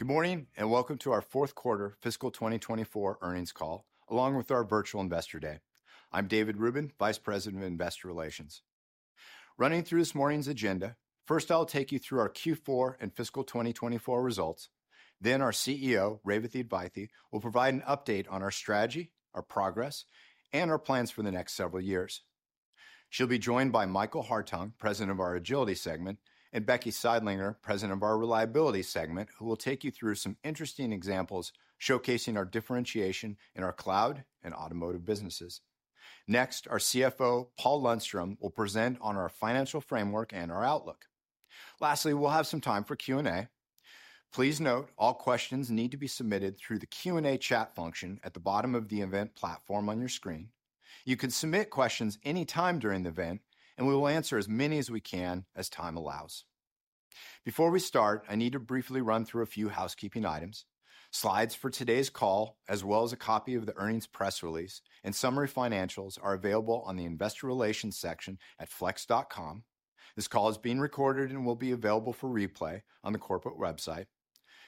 Good morning, and welcome to our fourth quarter fiscal 2024 earnings call, along with our Virtual Investor Day. I'm David Rubin, Vice President of Investor Relations. Running through this morning's agenda, first, I'll take you through our Q4 and fiscal 2024 results. Then our CEO, Revathi Advaithi, will provide an update on our strategy, our progress, and our plans for the next several years. She'll be joined by Michael Hartung, President of our Agility segment, and Becky Sidelinger, President of our Reliability segment, who will take you through some interesting examples showcasing our differentiation in our cloud and Automotive businesses. Next, our CFO, Paul Lundstrom, will present on our financial framework and our outlook. Lastly, we'll have some time for Q&A. Please note, all questions need to be submitted through the Q&A chat function at the bottom of the event platform on your screen. You can submit questions anytime during the event, and we will answer as many as we can as time allows. Before we start, I need to briefly run through a few housekeeping items. Slides for today's call, as well as a copy of the earnings press release and summary financials, are available on the Investor Relations section at flex.com. This call is being recorded and will be available for replay on the corporate website.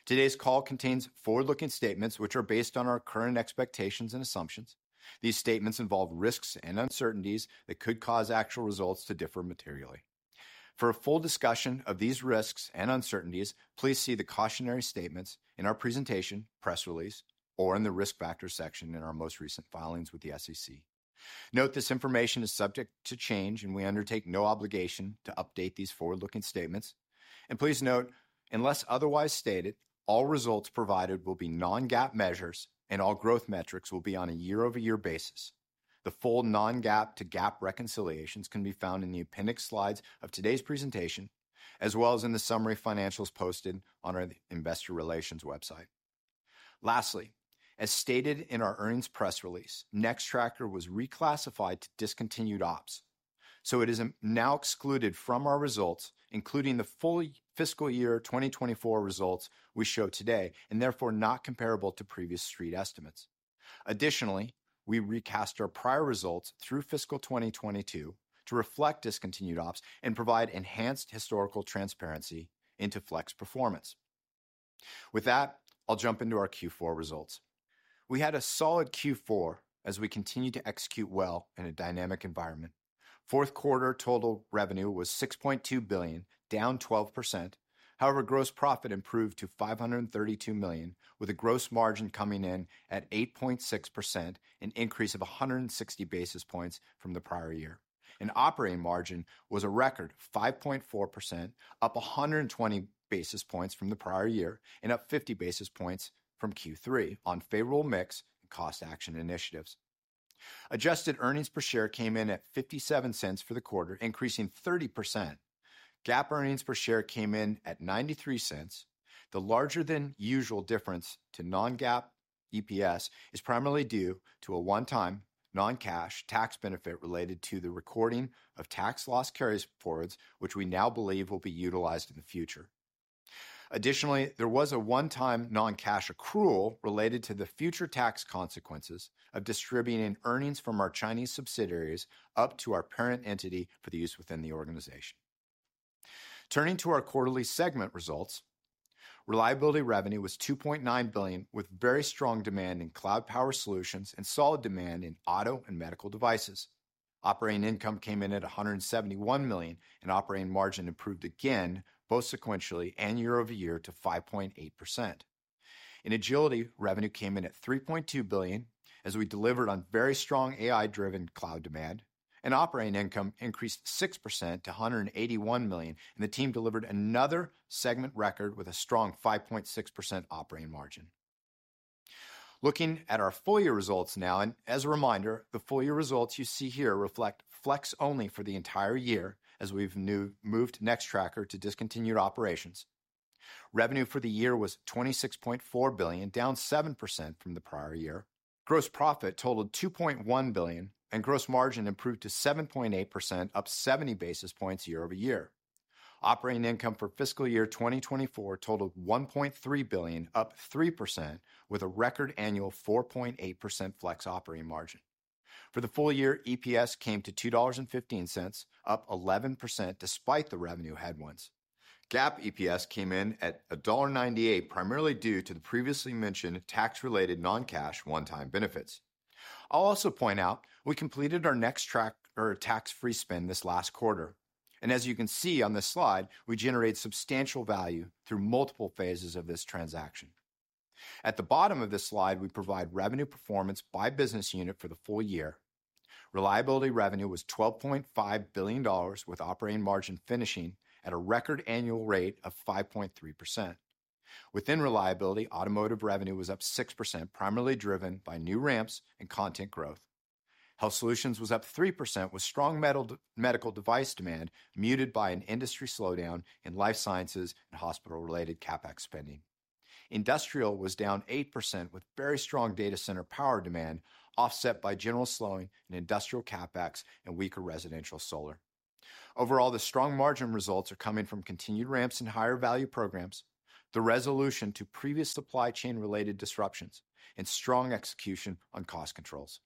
Today's call contains forward-looking statements which are based on our current expectations and assumptions. These statements involve risks and uncertainties that could cause actual results to differ materially. For a full discussion of these risks and uncertainties, please see the cautionary statements in our presentation, press release, or in the Risk Factors section in our most recent filings with the SEC. Note, this information is subject to change, and we undertake no obligation to update these forward-looking statements. Please note, unless otherwise stated, all results provided will be non-GAAP measures, and all growth metrics will be on a year-over-year basis. The full non-GAAP to GAAP reconciliations can be found in the appendix slides of today's presentation, as well as in the summary financials posted on our Investor Relations website. Lastly, as stated in our earnings press release, Nextracker was reclassified to discontinued ops, so it is now excluded from our results, including the full fiscal year 2024 results we show today, and therefore not comparable to previous street estimates. Additionally, we recast our prior results through fiscal 2022 to reflect discontinued ops and provide enhanced historical transparency into Flex performance. With that, I'll jump into our Q4 results. We had a solid Q4 as we continued to execute well in a dynamic environment. Fourth quarter total revenue was $6,200,000,000, down 12%. However, gross profit improved to $532,000,000, with a gross margin coming in at 8.6%, an increase of 160 basis points from the prior year. Operating margin was a record 5.4%, up 120 basis points from the prior year and up 50 basis points from Q3 on favorable mix and cost action initiatives. Adjusted earnings per share came in at $0.57 for the quarter, increasing 30%. GAAP earnings per share came in at $0.93. The larger than usual difference to non-GAAP EPS is primarily due to a one-time non-cash tax benefit related to the recording of tax loss carryforwards, which we now believe will be utilized in the future. Additionally, there was a one-time non-cash accrual related to the future tax consequences of distributing earnings from our Chinese subsidiaries up to our parent entity for the use within the organization. Turning to our quarterly segment results, Reliability revenue was $2,900,000,000, with very strong demand in cloud power solutions and solid demand in Auto and medical devices. Operating income came in at $171,000,000, and operating margin improved again, both sequentially and year over year, to 5.8%. In Agility, revenue came in at $3,200,000,000 as we delivered on very strong AI-driven cloud demand, and operating income increased 6% to $181,000,000, and the team delivered another segment record with a strong 5.6% operating margin. Looking at our full year results now, and as a reminder, the full year results you see here reflect Flex only for the entire year, as we've moved Nextracker to discontinued operations. Revenue for the year was $26,400,000,000, down 7% from the prior year. Gross profit totaled $2,100,000,000, and gross margin improved to 7.8%, up 70 basis points year-over-year. Operating income for fiscal year 2024 totaled $1,300,000,000 up 3%, with a record annual 4.8% Flex operating margin. For the full year, EPS came to $2.15, up 11%, despite the revenue headwinds. GAAP EPS came in at $1.98, primarily due to the previously mentioned tax-related non-cash one-time benefits. I'll also point out we completed our Nextracker tax-free spin this last quarter, and as you can see on this slide, we generated substantial value through multiple phases of this transaction. At the bottom of this slide, we provide revenue performance by business unit for the full year. Reliability revenue was $12,500,000,000, with operating margin finishing at a record annual rate of 5.3%. Within Reliability, Automotive revenue was up 6%, primarily driven by new ramps and content growth. Health Solutions was up 3%, with strong medical device demand muted by an industry slowdown in life sciences and hospital-related CapEx spending. Industrial was down 8%, with very strong data center power demand offset by general slowing in Industrial CapEx and weaker residential solar. Overall, the strong margin results are coming from continued ramps in higher value programs, the resolution to previous supply chain-related disruptions, and strong execution on cost controls.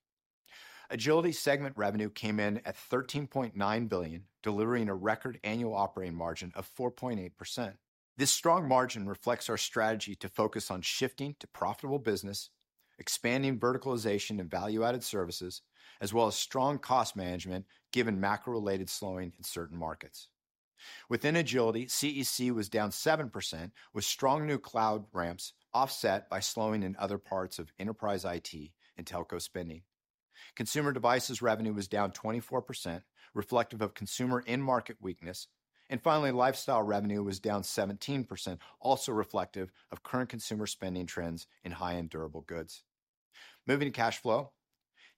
Agility segment revenue came in at $13,900,000,000, delivering a record annual operating margin of 4.8%. This strong margin reflects our strategy to focus on shifting to profitable business, expanding verticalization and value-added services, as well as strong cost management, given macro-related slowing in certain markets. Within Agility, CEC was down 7%, with strong new cloud ramps offset by slowing in other parts of enterprise IT and telco spending. Consumer Devices revenue was down 24%, reflective of consumer end-market weakness. Finally, Lifestyle revenue was down 17%, also reflective of current consumer spending trends in high-end durable goods. Moving to cash flow,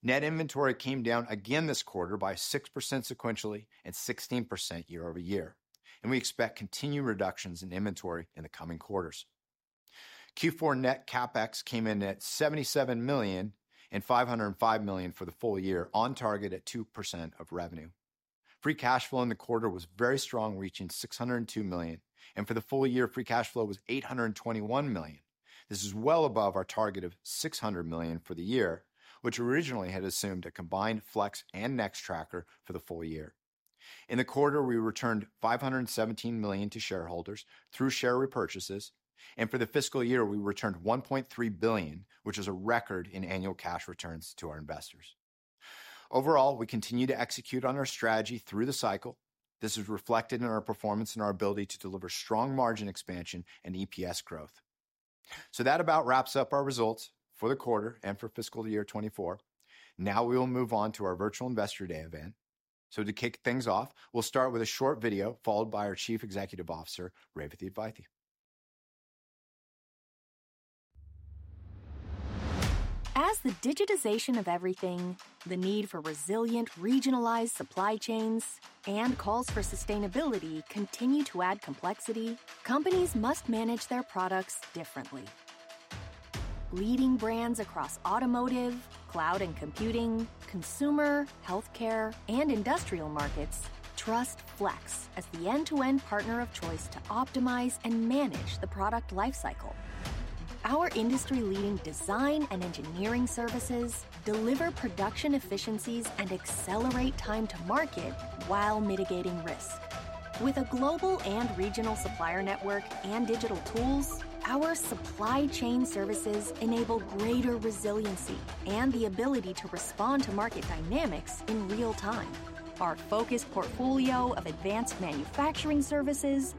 net inventory came down again this quarter by 6% sequentially and 16% year-over-year, and we expect continued reductions in inventory in the coming quarters. Q4 net CapEx came in at $77,000,000 and $505,000,000 for the full year, on target at 2% of revenue. Free cash flow in the quarter was very strong, reaching $602,000,000, and for the full year, free cash flow was $821,000,000. This is well above our target of $600,000,000 for the year, which originally had assumed a combined Flex and Nextracker for the full year. In the quarter, we returned $517,000,000 to shareholders through share repurchases, and for the fiscal year, we returned $1,300,000,000, which is a record in annual cash returns to our investors. Overall, we continue to execute on our strategy through the cycle. This is reflected in our performance and our ability to deliver strong margin expansion and EPS growth. So that about wraps up our results for the quarter and for fiscal year 2024. Now we will move on to our virtual Investor Day event. So to kick things off, we'll start with a short video, followed by our Chief Executive Officer, Revathi Advaithi. As the digitization of everything, the need for resilient, regionalized supply chains, and calls for sustainability continue to add complexity, companies must manage their products differently. Leading brands across Automotive, cloud and computing, consumer, healthcare, and Industrial markets trust Flex as the end-to-end partner of choice to optimize and manage the product lifecycle. Our industry-leading design and engineering services deliver production efficiencies and accelerate time to market while mitigating risk. With a global and regional supplier network and digital tools, our supply chain services enable greater resiliency and the ability to respond to market dynamics in real time. Our focused portfolio of advanced manufacturing services,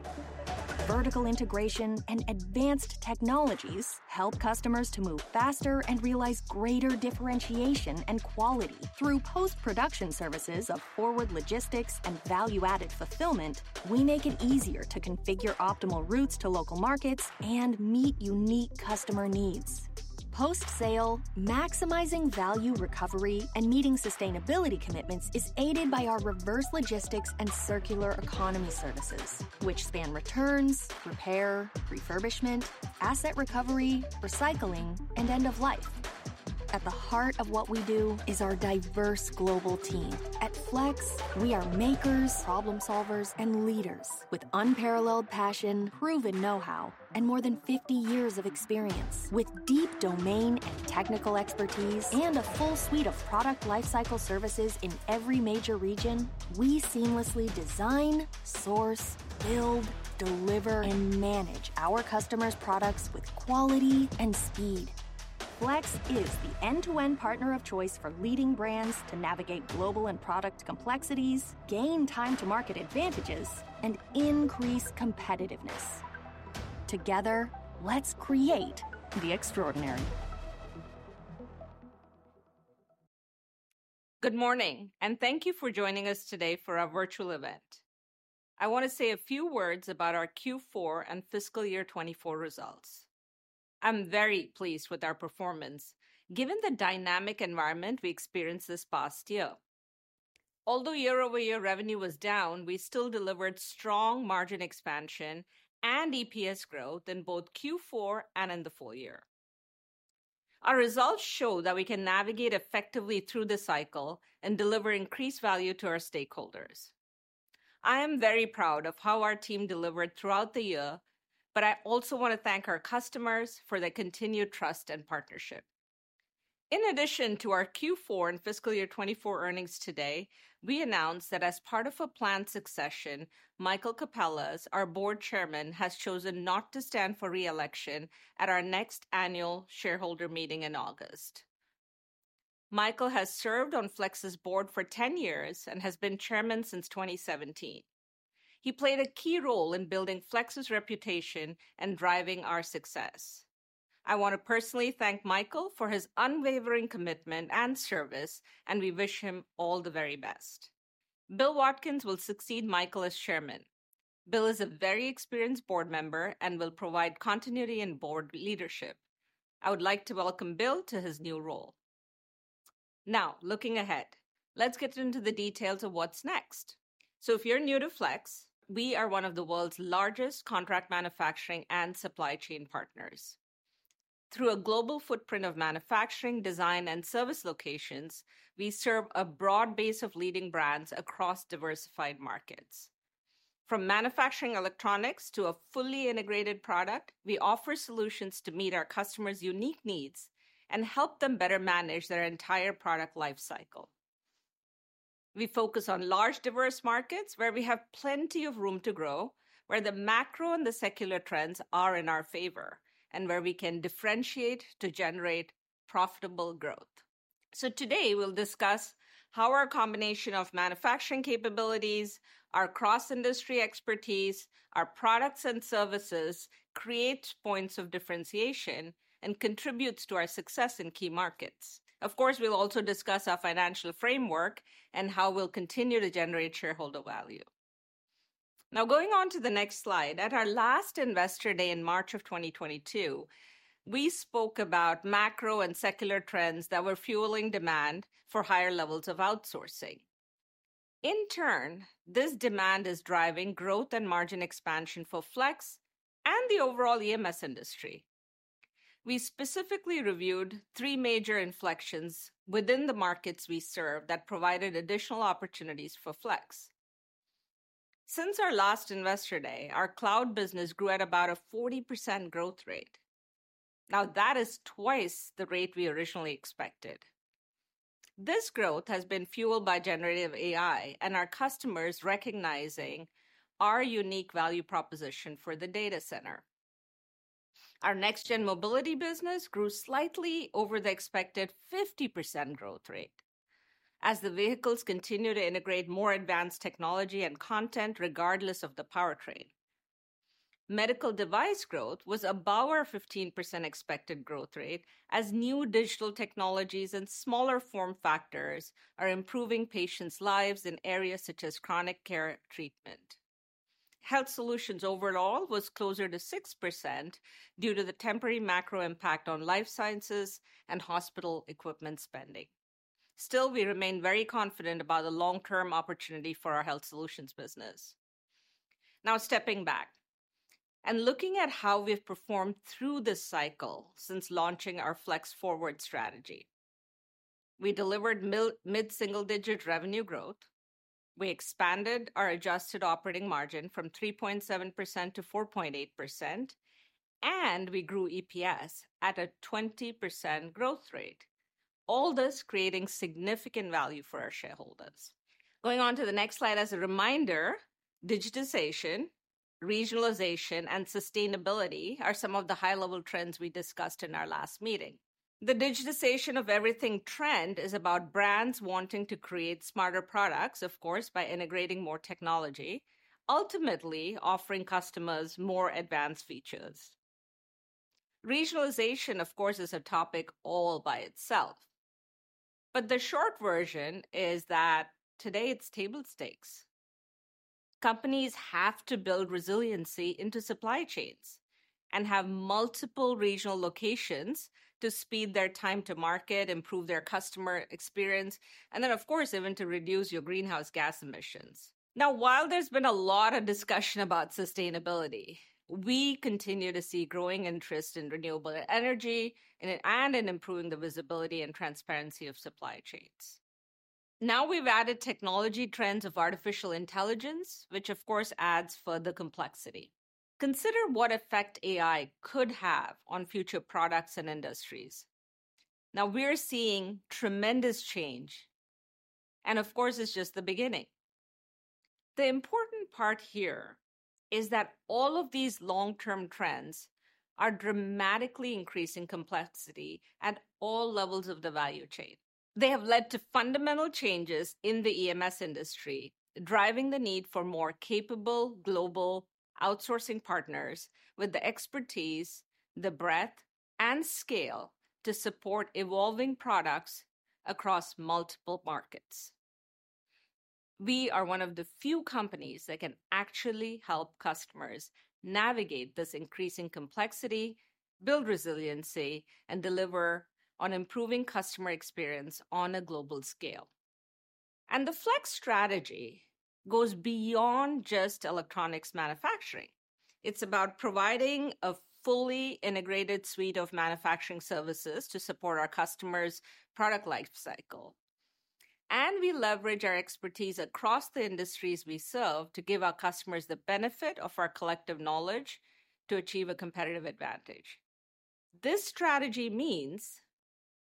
vertical integration, and advanced technologies help customers to move faster and realize greater differentiation and quality. Through post-production services of forward logistics and value-added fulfillment, we make it easier to configure optimal routes to local markets and meet unique customer needs. Post-sale, maximizing value recovery and meeting sustainability commitments is aided by our reverse logistics and circular economy services, which span returns, repair, refurbishment, asset recovery, recycling, and end of life. At the heart of what we do is our diverse global team. At Flex, we are makers, problem solvers, and leaders with unparalleled passion, proven know-how, and more than 50 years of experience. With deep domain and technical expertise and a full suite of product lifecycle services in every major region, we seamlessly design, source, build, deliver, and manage our customers' products with quality and speed. Flex is the end-to-end partner of choice for leading brands to navigate global and product complexities, gain time to market advantages, and increase competitiveness. Together, let's create the extraordinary! Good morning, and thank you for joining us today for our virtual event. I want to say a few words about our Q4 and fiscal year 2024 results. I'm very pleased with our performance, given the dynamic environment we experienced this past year. Although year-over-year revenue was down, we still delivered strong margin expansion and EPS growth in both Q4 and in the full year. Our results show that we can navigate effectively through the cycle and deliver increased value to our stakeholders. I am very proud of how our team delivered throughout the year, but I also want to thank our customers for their continued trust and partnership. In addition to our Q4 and fiscal year 2024 earnings today, we announced that as part of a planned succession, Michael Capellas, our Board Chairman, has chosen not to stand for re-election at our next annual shareholder meeting in August. Michael has served on Flex's board for 10 years and has been chairman since 2017. He played a key role in building Flex's reputation and driving our success. I want to personally thank Michael for his unwavering commitment and service, and we wish him all the very best. Bill Watkins will succeed Michael as chairman. Bill is a very experienced board member and will provide continuity and board leadership. I would like to welcome Bill to his new role. Now, looking ahead, let's get into the details of what's next. So if you're new to Flex, we are one of the world's largest contract manufacturing and supply chain partners. Through a global footprint of manufacturing, design, and service locations, we serve a broad base of leading brands across diversified markets.... From manufacturing electronics to a fully integrated product, we offer solutions to meet our customers' unique needs and help them better manage their entire product lifecycle. We focus on large, diverse markets where we have plenty of room to grow, where the macro and the secular trends are in our favor, and where we can differentiate to generate profitable growth. So today, we'll discuss how our combination of manufacturing capabilities, our cross-industry expertise, our products and services, creates points of differentiation and contributes to our success in key markets. Of course, we'll also discuss our financial framework and how we'll continue to generate shareholder value. Now, going on to the next slide, at our last Investor Day in March of 2022, we spoke about macro and secular trends that were fueling demand for higher levels of outsourcing. In turn, this demand is driving growth and margin expansion for Flex and the overall EMS industry. We specifically reviewed three major inflections within the markets we serve that provided additional opportunities for Flex. Since our last Investor Day, our cloud business grew at about a 40% growth rate. Now, that is twice the rate we originally expected. This growth has been fueled by generative AI and our customers recognizing our unique value proposition for the data center. Our next-gen mobility business grew slightly over the expected 50% growth rate, as the vehicles continue to integrate more advanced technology and content, regardless of the powertrain. Medical device growth was above our 15% expected growth rate, as new digital technologies and smaller form factors are improving patients' lives in areas such as chronic care treatment. Health Solutions overall was closer to 6% due to the temporary macro impact on life sciences and hospital equipment spending. Still, we remain very confident about the long-term opportunity for our Health Solutions business. Now, stepping back and looking at how we've performed through this cycle since launching our Flex Forward strategy, we delivered mid-single-digit revenue growth, we expanded our adjusted operating margin from 3.7% to 4.8%, and we grew EPS at a 20% growth rate, all this creating significant value for our shareholders. Going on to the next slide, as a reminder, digitization, regionalization, and sustainability are some of the high-level trends we discussed in our last meeting. The digitization of everything trend is about brands wanting to create smarter products, of course, by integrating more technology, ultimately offering customers more advanced features. Regionalization, of course, is a topic all by itself, but the short version is that today it's table stakes. Companies have to build resiliency into supply chains and have multiple regional locations to speed their time to market, improve their customer experience, and then, of course, even to reduce your greenhouse gas emissions. Now, while there's been a lot of discussion about sustainability, we continue to see growing interest in renewable energy and in improving the visibility and transparency of supply chains. Now we've added technology trends of artificial intelligence, which of course, adds further complexity. Consider what effect AI could have on future products and industries. Now, we're seeing tremendous change, and of course, it's just the beginning. The important part here is that all of these long-term trends are dramatically increasing complexity at all levels of the value chain. They have led to fundamental changes in the EMS industry, driving the need for more capable global outsourcing partners with the expertise, the breadth, and scale to support evolving products across multiple markets. We are one of the few companies that can actually help customers navigate this increasing complexity, build resiliency, and deliver on improving customer experience on a global scale. The Flex strategy goes beyond just electronics manufacturing. It's about providing a fully integrated suite of manufacturing services to support our customers' product lifecycle. We leverage our expertise across the industries we serve to give our customers the benefit of our collective knowledge to achieve a competitive advantage. This strategy means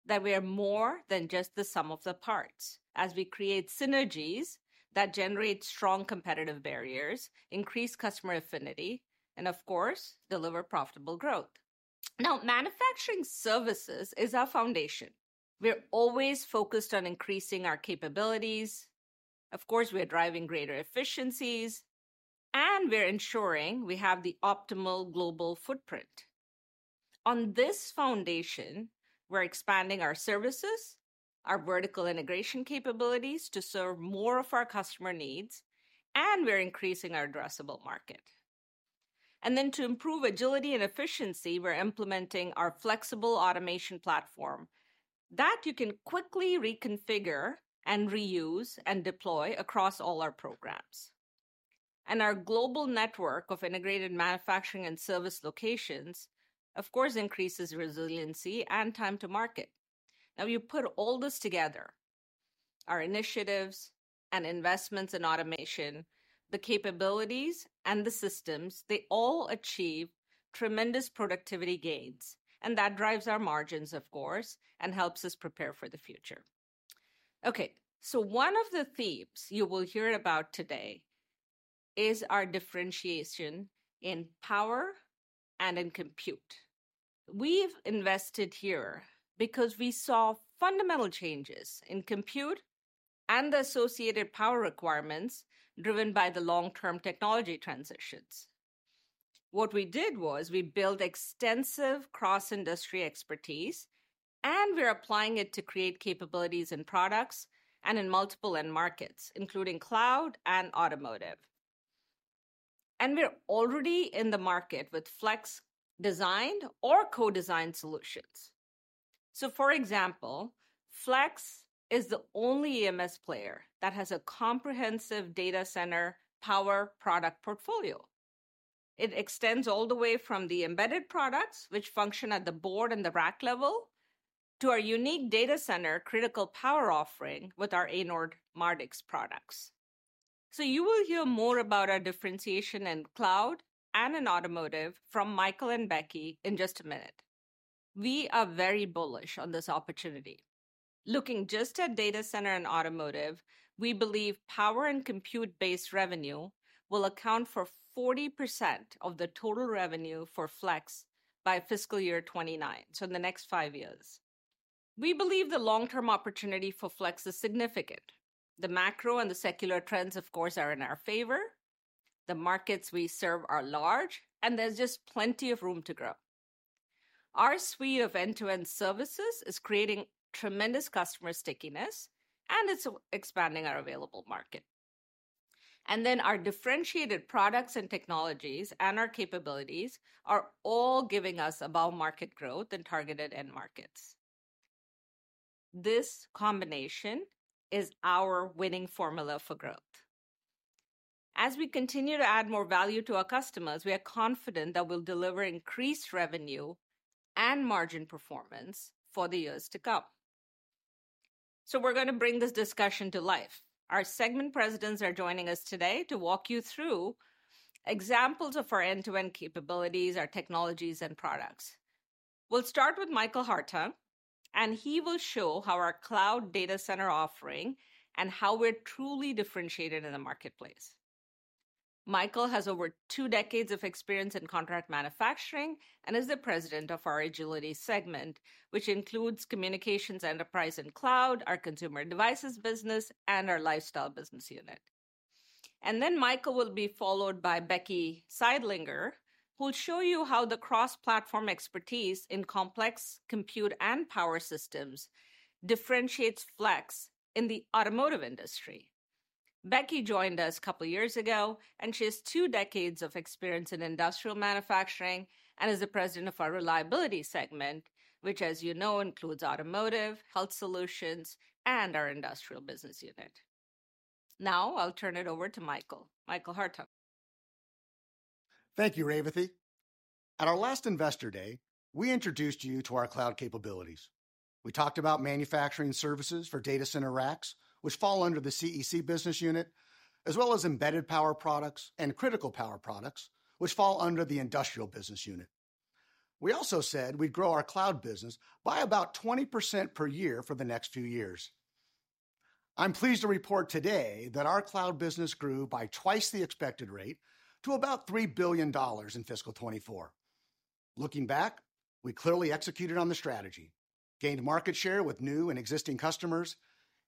that we are more than just the sum of the parts, as we create synergies that generate strong competitive barriers, increase customer affinity, and of course, deliver profitable growth. Now, manufacturing services is our foundation. We're always focused on increasing our capabilities. Of course, we are driving greater efficiencies, and we're ensuring we have the optimal global footprint. On this foundation, we're expanding our services, our vertical integration capabilities to serve more of our customer needs, and we're increasing our addressable market. And then to improve agility and efficiency, we're implementing our flexible automation platform that you can quickly reconfigure and reuse and deploy across all our programs. And our global network of integrated manufacturing and service locations, of course, increases resiliency and time to market. Now, you put all this together, our initiatives and investments in automation, the capabilities and the systems, they all achieve tremendous productivity gains, and that drives our margins, of course, and helps us prepare for the future. Okay, so one of the themes you will hear about today is our differentiation in power and in compute. We've invested here because we saw fundamental changes in compute and the associated power requirements driven by the long-term technology transitions. What we did was we built extensive cross-industry expertise, and we're applying it to create capabilities in products and in multiple end markets, including cloud and Automotive. We're already in the market with Flex-designed or co-designed solutions. For example, Flex is the only EMS player that has a comprehensive data center power product portfolio. It extends all the way from the embedded products, which function at the board and the rack level, to our unique data center critical power offering with our Anord Mardix products. You will hear more about our differentiation in cloud and in Automotive from Michael and Becky in just a minute. We are very bullish on this opportunity. Looking just at data center and Automotive, we believe power and compute-based revenue will account for 40% of the total revenue for Flex by fiscal year 2029, so in the next five years. We believe the long-term opportunity for Flex is significant. The macro and the secular trends, of course, are in our favor. The markets we serve are large, and there's just plenty of room to grow. Our suite of end-to-end services is creating tremendous customer stickiness, and it's expanding our available market. And then our differentiated products and technologies and our capabilities are all giving us above-market growth in targeted end markets. This combination is our winning formula for growth. As we continue to add more value to our customers, we are confident that we'll deliver increased revenue and margin performance for the years to come. So we're going to bring this discussion to life. Our segment presidents are joining us today to walk you through examples of our end-to-end capabilities, our technologies, and products. We'll start with Michael Hartung, and he will show how our cloud data center offering and how we're truly differentiated in the marketplace. Michael has over two decades of experience in contract manufacturing and is the President of our Agility segment, which includes Communications, Enterprise, and Cloud, our Consumer Devices business, and our Lifestyle business unit. And then Michael will be followed by Becky Sidelinger, who'll show you how the cross-platform expertise in complex compute and power systems differentiates Flex in the Automotive industry. Becky joined us a couple of years ago, and she has two decades of experience in Industrial manufacturing and is the President of our Reliability segment, which, as you know, includes Automotive, Health Solutions, and our Industrial business unit. Now, I'll turn it over to Michael. Michael Hartung. Thank you, Revathi. At our last Investor Day, we introduced you to our cloud capabilities. We talked about manufacturing services for data center racks, which fall under the CEC business unit, as well as embedded power products and critical power products, which fall under the Industrial business unit. We also said we'd grow our cloud business by about 20% per year for the next few years. I'm pleased to report today that our cloud business grew by twice the expected rate to about $3,000,000,000 in fiscal 2024. Looking back, we clearly executed on the strategy, gained market share with new and existing customers,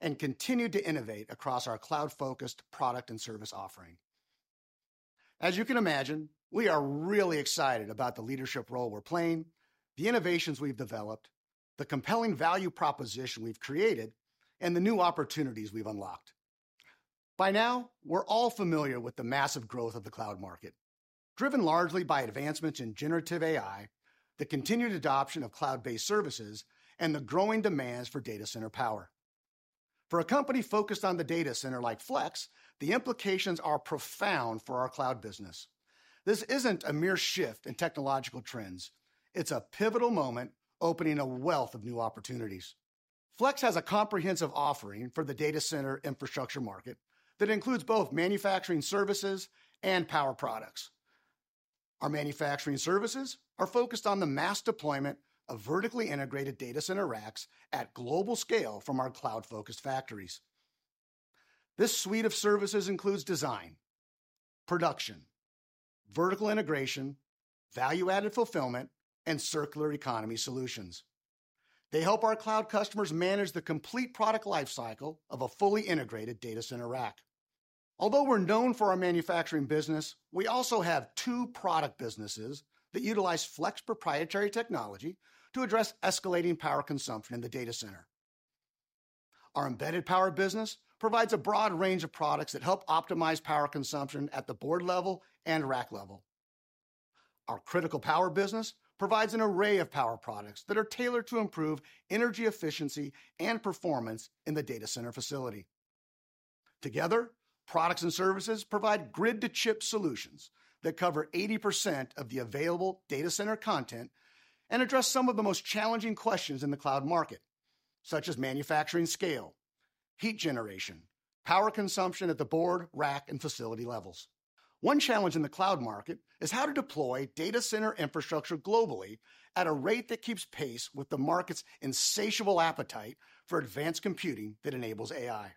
and continued to innovate across our cloud-focused product and service offering. As you can imagine, we are really excited about the leadership role we're playing, the innovations we've developed, the compelling value proposition we've created, and the new opportunities we've unlocked. By now, we're all familiar with the massive growth of the cloud market, driven largely by advancements in generative AI, the continued adoption of cloud-based services, and the growing demands for data center power. For a company focused on the data center like Flex, the implications are profound for our cloud business. This isn't a mere shift in technological trends. It's a pivotal moment, opening a wealth of new opportunities. Flex has a comprehensive offering for the data center infrastructure market that includes both manufacturing services and power products. Our manufacturing services are focused on the mass deployment of vertically integrated data center racks at global scale from our cloud-focused factories. This suite of services includes design, production, vertical integration, value-added fulfillment, and circular economy solutions. They help our cloud customers manage the complete product life cycle of a fully integrated data center rack. Although we're known for our manufacturing business, we also have two product businesses that utilize Flex proprietary technology to address escalating power consumption in the data center. Our embedded power business provides a broad range of products that help optimize power consumption at the board level and rack level. Our critical power business provides an array of power products that are tailored to improve energy efficiency and performance in the data center facility. Together, products and services provide grid-to-chip solutions that cover 80% of the available data center content and address some of the most challenging questions in the cloud market, such as manufacturing scale, heat generation, power consumption at the board, rack, and facility levels. One challenge in the cloud market is how to deploy data center infrastructure globally at a rate that keeps pace with the market's insatiable appetite for advanced computing that enables AI.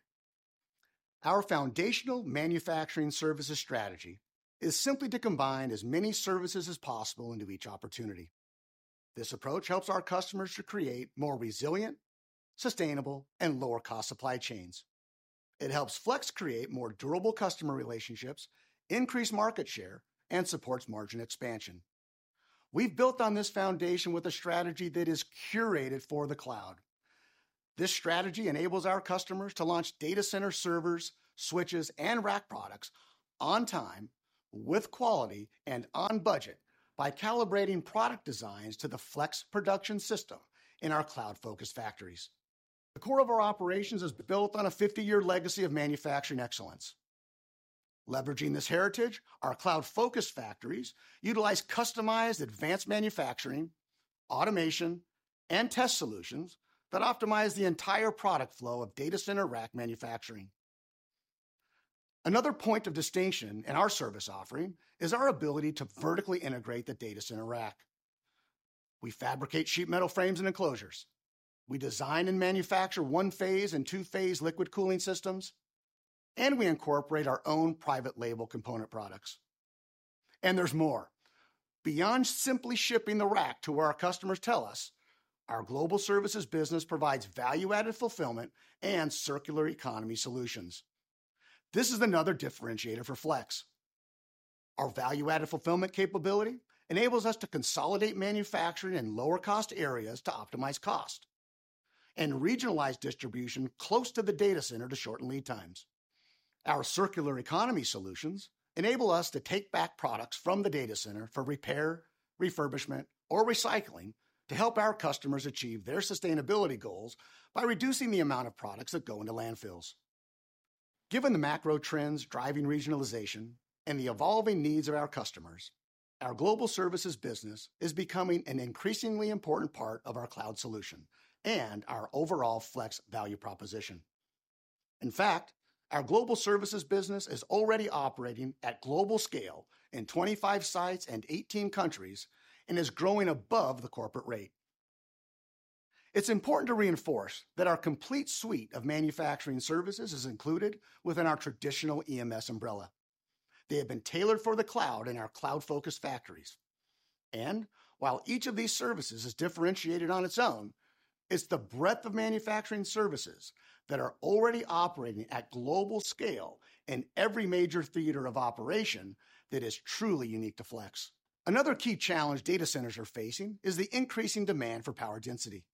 Our foundational manufacturing services strategy is simply to combine as many services as possible into each opportunity. This approach helps our customers to create more resilient, sustainable, and lower-cost supply chains. It helps Flex create more durable customer relationships, increase market share, and supports margin expansion. We've built on this foundation with a strategy that is curated for the cloud. This strategy enables our customers to launch data center servers, switches, and rack products on time, with quality, and on budget by calibrating product designs to the Flex production system in our cloud-focused factories. The core of our operations is built on a 50-year legacy of manufacturing excellence. Leveraging this heritage, our cloud-focused factories utilize customized advanced manufacturing, automation, and test solutions that optimize the entire product flow of data center rack manufacturing. Another point of distinction in our service offering is our ability to vertically integrate the data center rack. We fabricate sheet metal frames and enclosures, we design and manufacture one-phase and two-phase liquid cooling systems, and we incorporate our own private label component products. There's more. Beyond simply shipping the rack to where our customers tell us, our global services business provides value-added fulfillment and circular economy solutions. This is another differentiator for Flex. Our value-added fulfillment capability enables us to consolidate manufacturing in lower cost areas to optimize cost, and regionalize distribution close to the data center to shorten lead times. Our circular economy solutions enable us to take back products from the data center for repair, refurbishment, or recycling, to help our customers achieve their sustainability goals by reducing the amount of products that go into landfills. Given the macro trends driving regionalization and the evolving needs of our customers, our global services business is becoming an increasingly important part of our cloud solution and our overall Flex value proposition. In fact, our global services business is already operating at global scale in 25 sites and 18 countries and is growing above the corporate rate. It's important to reinforce that our complete suite of manufacturing services is included within our traditional EMS umbrella. They have been tailored for the cloud in our cloud-focused factories. And while each of these services is differentiated on its own, it's the breadth of manufacturing services that are already operating at global scale in every major theater of operation that is truly unique to Flex. Another key challenge data centers are facing is the increasing demand for power density.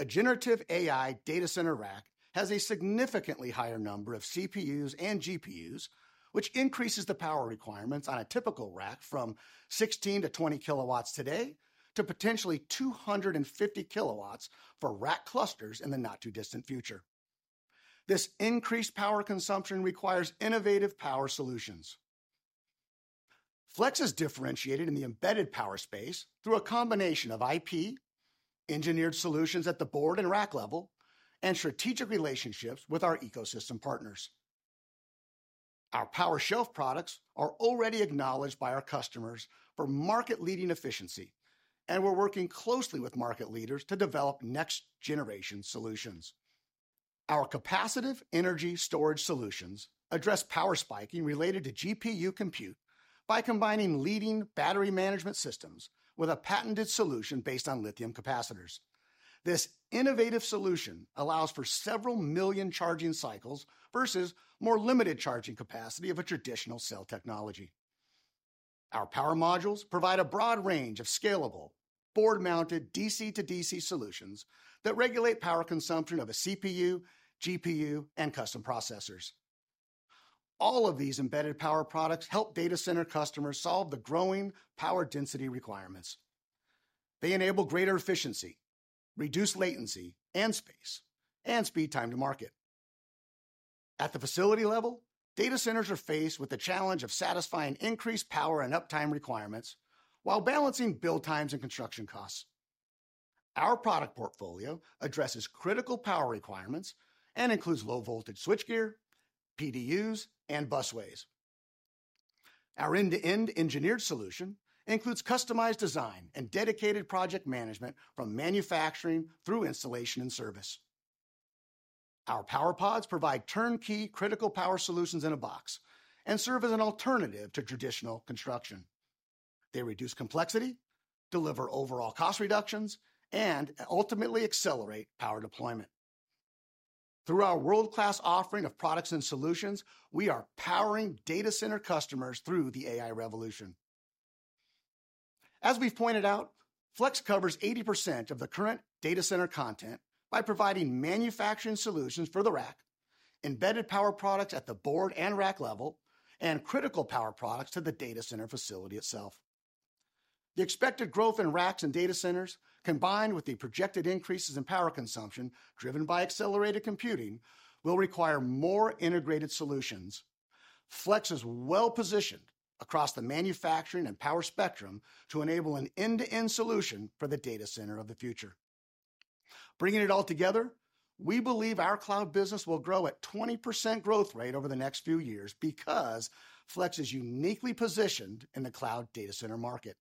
A generative AI data center rack has a significantly higher number of CPUs and GPUs, which increases the power requirements on a typical rack from 16 to 20 kilowatts today, to potentially 250 kilowatts for rack clusters in the not-too-distant future. This increased power consumption requires innovative power solutions. Flex is differentiated in the embedded power space through a combination of IP, engineered solutions at the board and rack level, and strategic relationships with our ecosystem partners. Our power shelf products are already acknowledged by our customers for market-leading efficiency, and we're working closely with market leaders to develop next-generation solutions. Our capacitive energy storage solutions address power spiking related to GPU compute by combining leading battery management systems with a patented solution based on lithium capacitors. This innovative solution allows for several million charging cycles versus more limited charging capacity of a traditional cell technology. Our power modules provide a broad range of scalable, board-mounted DC to DC solutions that regulate power consumption of a CPU, GPU, and custom processors. All of these embedded power products help data center customers solve the growing power density requirements. They enable greater efficiency, reduce latency and space, and speed time to market. At the facility level, data centers are faced with the challenge of satisfying increased power and uptime requirements while balancing build times and construction costs. Our product portfolio addresses critical power requirements and includes low-voltage switchgear, PDUs, and busways. Our end-to-end engineered solution includes customized design and dedicated project management from manufacturing through installation and service. Our PowerPods provide turnkey critical power solutions in a box and serve as an alternative to traditional construction. They reduce complexity, deliver overall cost reductions, and ultimately accelerate power deployment. Through our world-class offering of products and solutions, we are powering data center customers through the AI revolution. As we've pointed out, Flex covers 80% of the current data center content by providing manufacturing solutions for the rack, embedded power products at the board and rack level, and critical power products to the data center facility itself. The expected growth in racks and data centers, combined with the projected increases in power consumption driven by accelerated computing, will require more integrated solutions. Flex is well-positioned across the manufacturing and power spectrum to enable an end-to-end solution for the data center of the future. Bringing it all together, we believe our cloud business will grow at 20% growth rate over the next few years because Flex is uniquely positioned in the cloud data center market.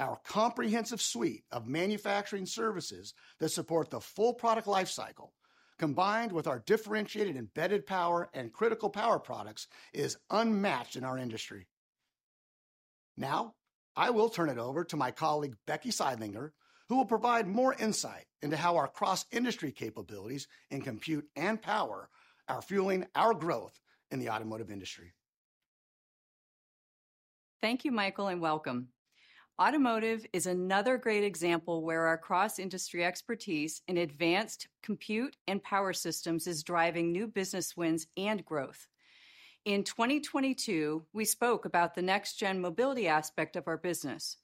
Our comprehensive suite of manufacturing services that support the full product life cycle, combined with our differentiated embedded power and critical power products, is unmatched in our industry. Now, I will turn it over to my colleague, Becky Sidelinger, who will provide more insight into how our cross-industry capabilities in compute and power are fueling our growth in the Automotive industry. Thank you, Michael, and welcome. Automotive is another great example where our cross-industry expertise in advanced compute and power systems is driving new business wins and growth. In 2022, we spoke about the next-gen mobility aspect of our business.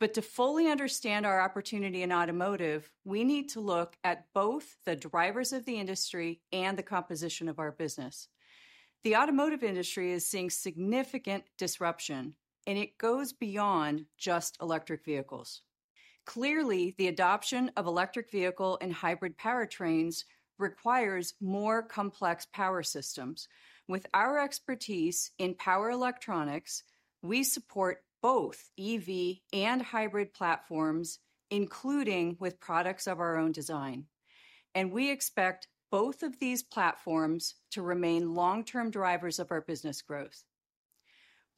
But to fully understand our opportunity in Automotive, we need to look at both the drivers of the industry and the composition of our business. The Automotive industry is seeing significant disruption, and it goes beyond just electric vehicles. Clearly, the adoption of electric vehicle and hybrid powertrains requires more complex power systems. With our expertise in power electronics, we support both EV and hybrid platforms, including with products of our own design, and we expect both of these platforms to remain long-term drivers of our business growth.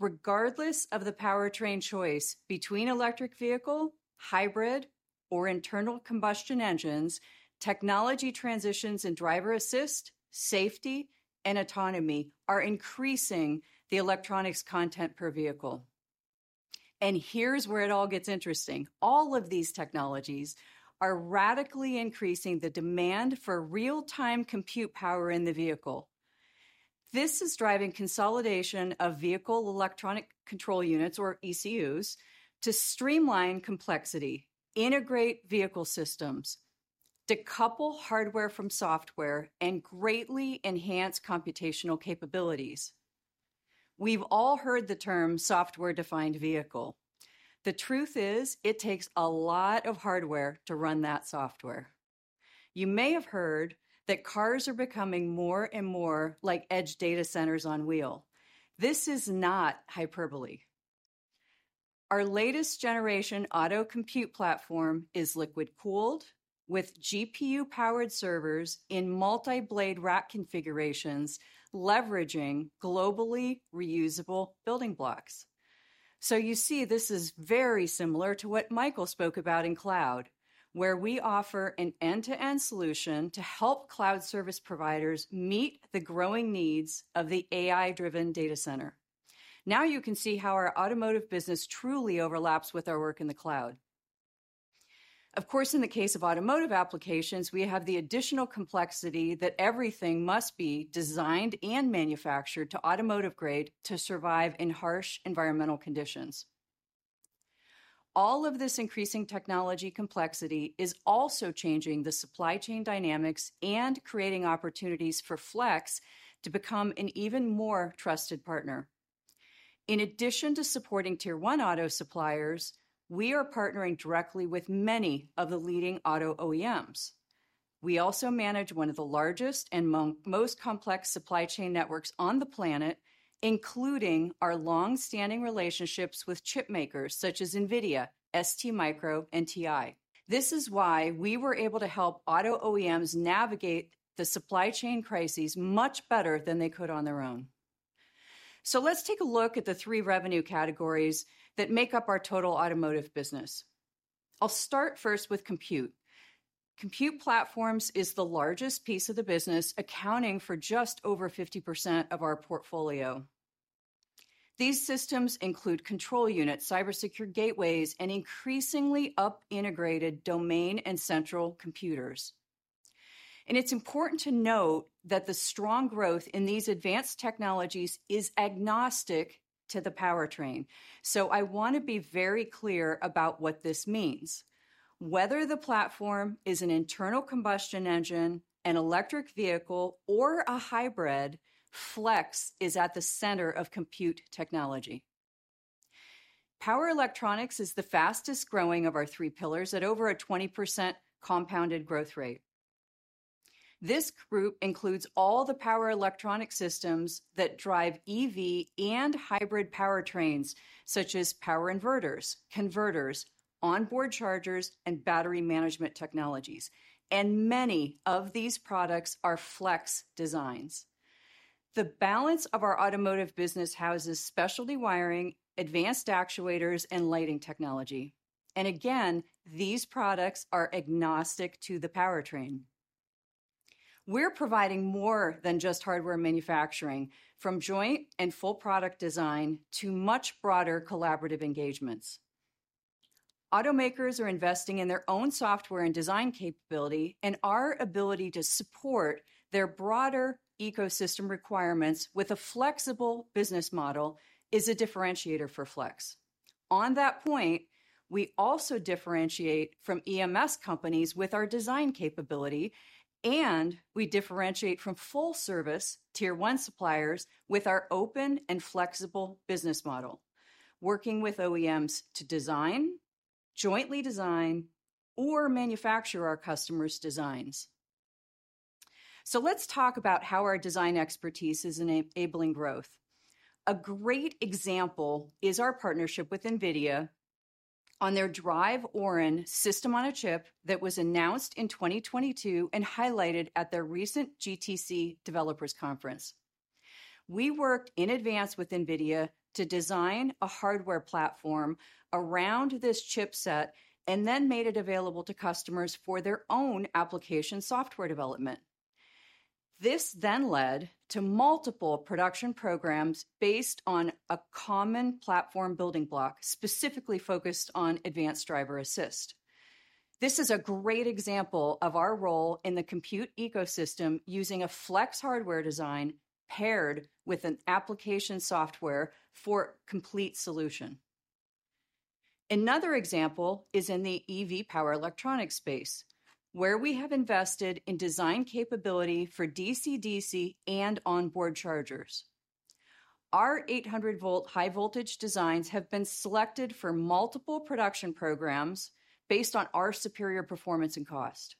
Regardless of the powertrain choice between electric vehicle, hybrid, or internal combustion engines, technology transitions in driver assist, safety, and autonomy are increasing the electronics content per vehicle. And here's where it all gets interesting: all of these technologies are radically increasing the demand for real-time compute power in the vehicle. This is driving consolidation of vehicle electronic control units, or ECUs, to streamline complexity, integrate vehicle systems, decouple hardware from software, and greatly enhance computational capabilities. We've all heard the term software-defined vehicle. The truth is, it takes a lot of hardware to run that software. You may have heard that cars are becoming more and more like edge data centers on wheels. This is not hyperbole. Our latest generation Auto compute platform is liquid-cooled with GPU-powered servers in multi-blade rack configurations, leveraging globally reusable building blocks. So you see, this is very similar to what Michael spoke about in cloud, where we offer an end-to-end solution to help cloud service providers meet the growing needs of the AI-driven data center. Now, you can see how our Automotive business truly overlaps with our work in the cloud. Of course, in the case of Automotive applications, we have the additional complexity that everything must be designed and manufactured to Automotive grade to survive in harsh environmental conditions. All of this increasing technology complexity is also changing the supply chain dynamics and creating opportunities for Flex to become an even more trusted partner. In addition to supporting Tier One Auto suppliers, we are partnering directly with many of the leading Auto OEMs. We also manage one of the largest and most complex supply chain networks on the planet, including our long-standing relationships with chip makers such as NVIDIA, STMicro, and TI. This is why we were able to help Auto OEMs navigate the supply chain crises much better than they could on their own. So let's take a look at the three revenue categories that make up our total Automotive business. I'll start first with compute. Compute platforms is the largest piece of the business, accounting for just over 50% of our portfolio. These systems include control units, cyber-secured gateways, and increasingly highly-integrated domain and central computers. And it's important to note that the strong growth in these advanced technologies is agnostic to the powertrain, so I want to be very clear about what this means. Whether the platform is an internal combustion engine, an electric vehicle, or a hybrid, Flex is at the center of compute technology. Power electronics is the fastest-growing of our three pillars, at over a 20% compounded growth rate. This group includes all the power electronic systems that drive EV and hybrid powertrains, such as power inverters, converters, onboard chargers, and battery management technologies, and many of these products are Flex designs. The balance of our Automotive business houses specialty wiring, advanced actuators, and lighting technology, and again, these products are agnostic to the powertrain. We're providing more than just hardware manufacturing, from joint and full product design to much broader collaborative engagements. Automakers are investing in their own software and design capability, and our ability to support their broader ecosystem requirements with a flexible business model is a differentiator for Flex. On that point, we also differentiate from EMS companies with our design capability, and we differentiate from full-service Tier One suppliers with our open and flexible business model, working with OEMs to design, jointly design, or manufacture our customers' designs. So let's talk about how our design expertise is enabling growth. A great example is our partnership with NVIDIA on their DRIVE Orin system-on-a-chip that was announced in 2022 and highlighted at their recent GTC Developers Conference. We worked in advance with NVIDIA to design a hardware platform around this chipset and then made it available to customers for their own application software development. This then led to multiple production programs based on a common platform building block, specifically focused on advanced driver-assist. This is a great example of our role in the compute ecosystem using a Flex hardware design paired with an application software for complete solution. Another example is in the EV power electronics space, where we have invested in design capability for DC-DC and onboard chargers. Our 800-volt high-voltage designs have been selected for multiple production programs based on our superior performance and cost.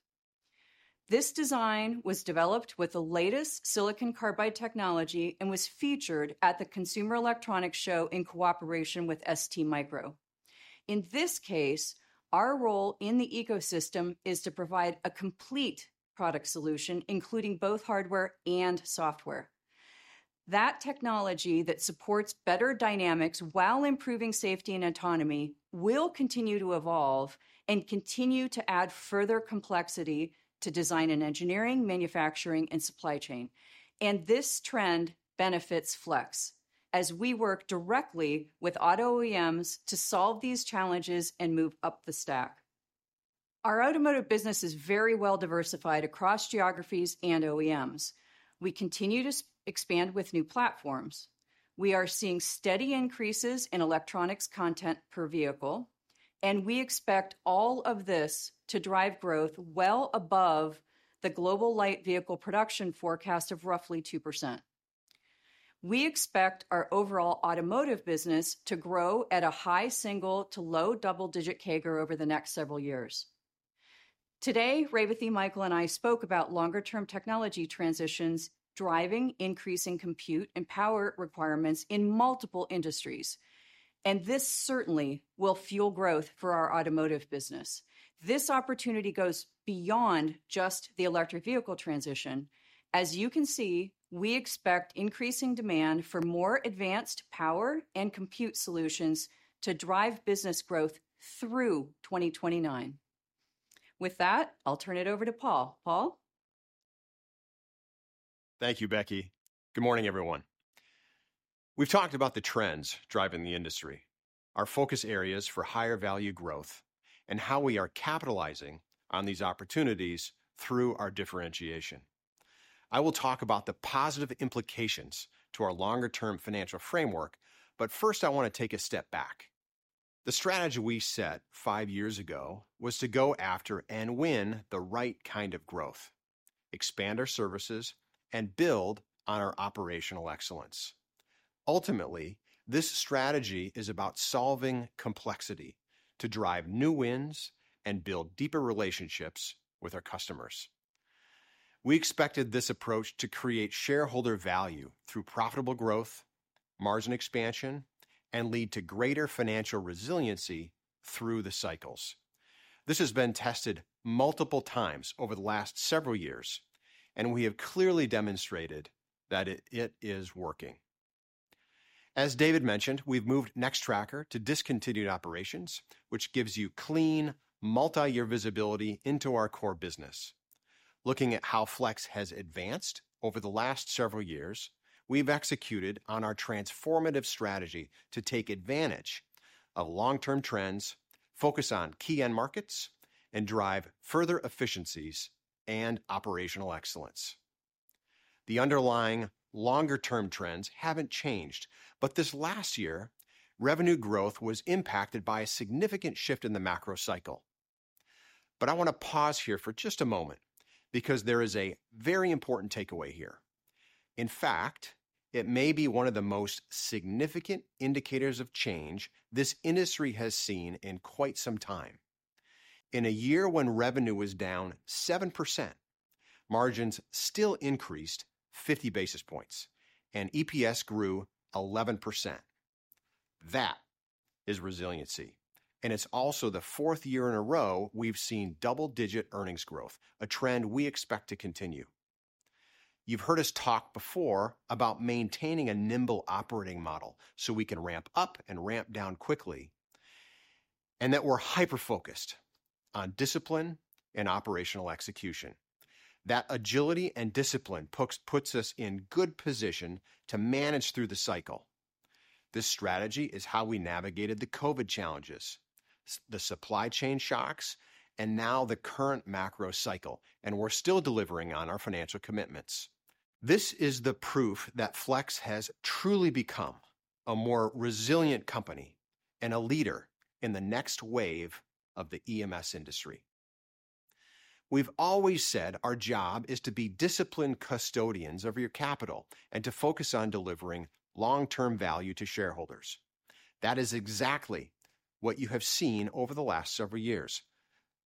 This design was developed with the latest silicon carbide technology and was featured at the Consumer Electronics Show in cooperation with STMicro. In this case, our role in the ecosystem is to provide a complete product solution, including both hardware and software. That technology that supports better dynamics while improving safety and autonomy will continue to evolve and continue to add further complexity to design and engineering, manufacturing, and supply chain. And this trend benefits Flex as we work directly with auto OEMs to solve these challenges and move up the stack. Our automotive business is very well-diversified across geographies and OEMs. We continue to expand with new platforms. We are seeing steady increases in electronics content per vehicle, and we expect all of this to drive growth well above the global light vehicle production forecast of roughly 2%. We expect our overall Automotive business to grow at a high single- to low double-digit CAGR over the next several years. Today, Revathi, Michael, and I spoke about longer-term technology transitions driving increasing compute and power requirements in multiple industries, and this certainly will fuel growth for our Automotive business. This opportunity goes beyond just the electric vehicle transition. As you can see, we expect increasing demand for more advanced power and compute solutions to drive business growth through 2029. With that, I'll turn it over to Paul. Paul? Thank you, Becky. Good morning, everyone. We've talked about the trends driving the industry, our focus areas for higher-value growth, and how we are capitalizing on these opportunities through our differentiation. I will talk about the positive implications to our longer-term financial framework, but first, I want to take a step back. The strategy we set five years ago was to go after and win the right kind of growth, expand our services, and build on our operational excellence. Ultimately, this strategy is about solving complexity to drive new wins and build deeper relationships with our customers. We expected this approach to create shareholder value through profitable growth, margin expansion, and lead to greater financial resiliency through the cycles. This has been tested multiple times over the last several years, and we have clearly demonstrated that it is working. As David mentioned, we've moved Nextracker to discontinued operations, which gives you clean, multi-year visibility into our core business. Looking at how Flex has advanced over the last several years, we've executed on our transformative strategy to take advantage of long-term trends, focus on key end markets, and drive further efficiencies and operational excellence. The underlying longer-term trends haven't changed, but this last year, revenue growth was impacted by a significant shift in the macro cycle. I wanna pause here for just a moment because there is a very important takeaway here. In fact, it may be one of the most significant indicators of change this industry has seen in quite some time. In a year when revenue was down 7%, margins still increased 50 basis points, and EPS grew 11%. That is resiliency, and it's also the fourth year in a row we've seen double-digit earnings growth, a trend we expect to continue. You've heard us talk before about maintaining a nimble operating model, so we can ramp up and ramp down quickly, and that we're hyper-focused on discipline and operational execution. That agility and discipline puts us in good position to manage through the cycle. This strategy is how we navigated the COVID challenges, the supply chain shocks, and now the current macro cycle, and we're still delivering on our financial commitments. This is the proof that Flex has truly become a more resilient company and a leader in the next wave of the EMS industry. We've always said our job is to be disciplined custodians of your capital and to focus on delivering long-term value to shareholders. That is exactly what you have seen over the last several years.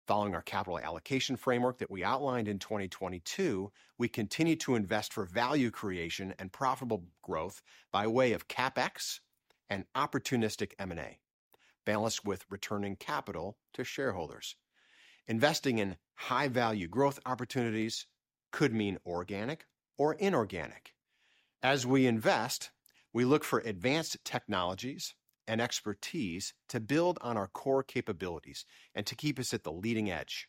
Following our capital allocation framework that we outlined in 2022, we continue to invest for value creation and profitable growth by way of CapEx and opportunistic M&A, balanced with returning capital to shareholders. Investing in high-value growth opportunities could mean organic or inorganic. As we invest, we look for advanced technologies and expertise to build on our core capabilities and to keep us at the leading edge.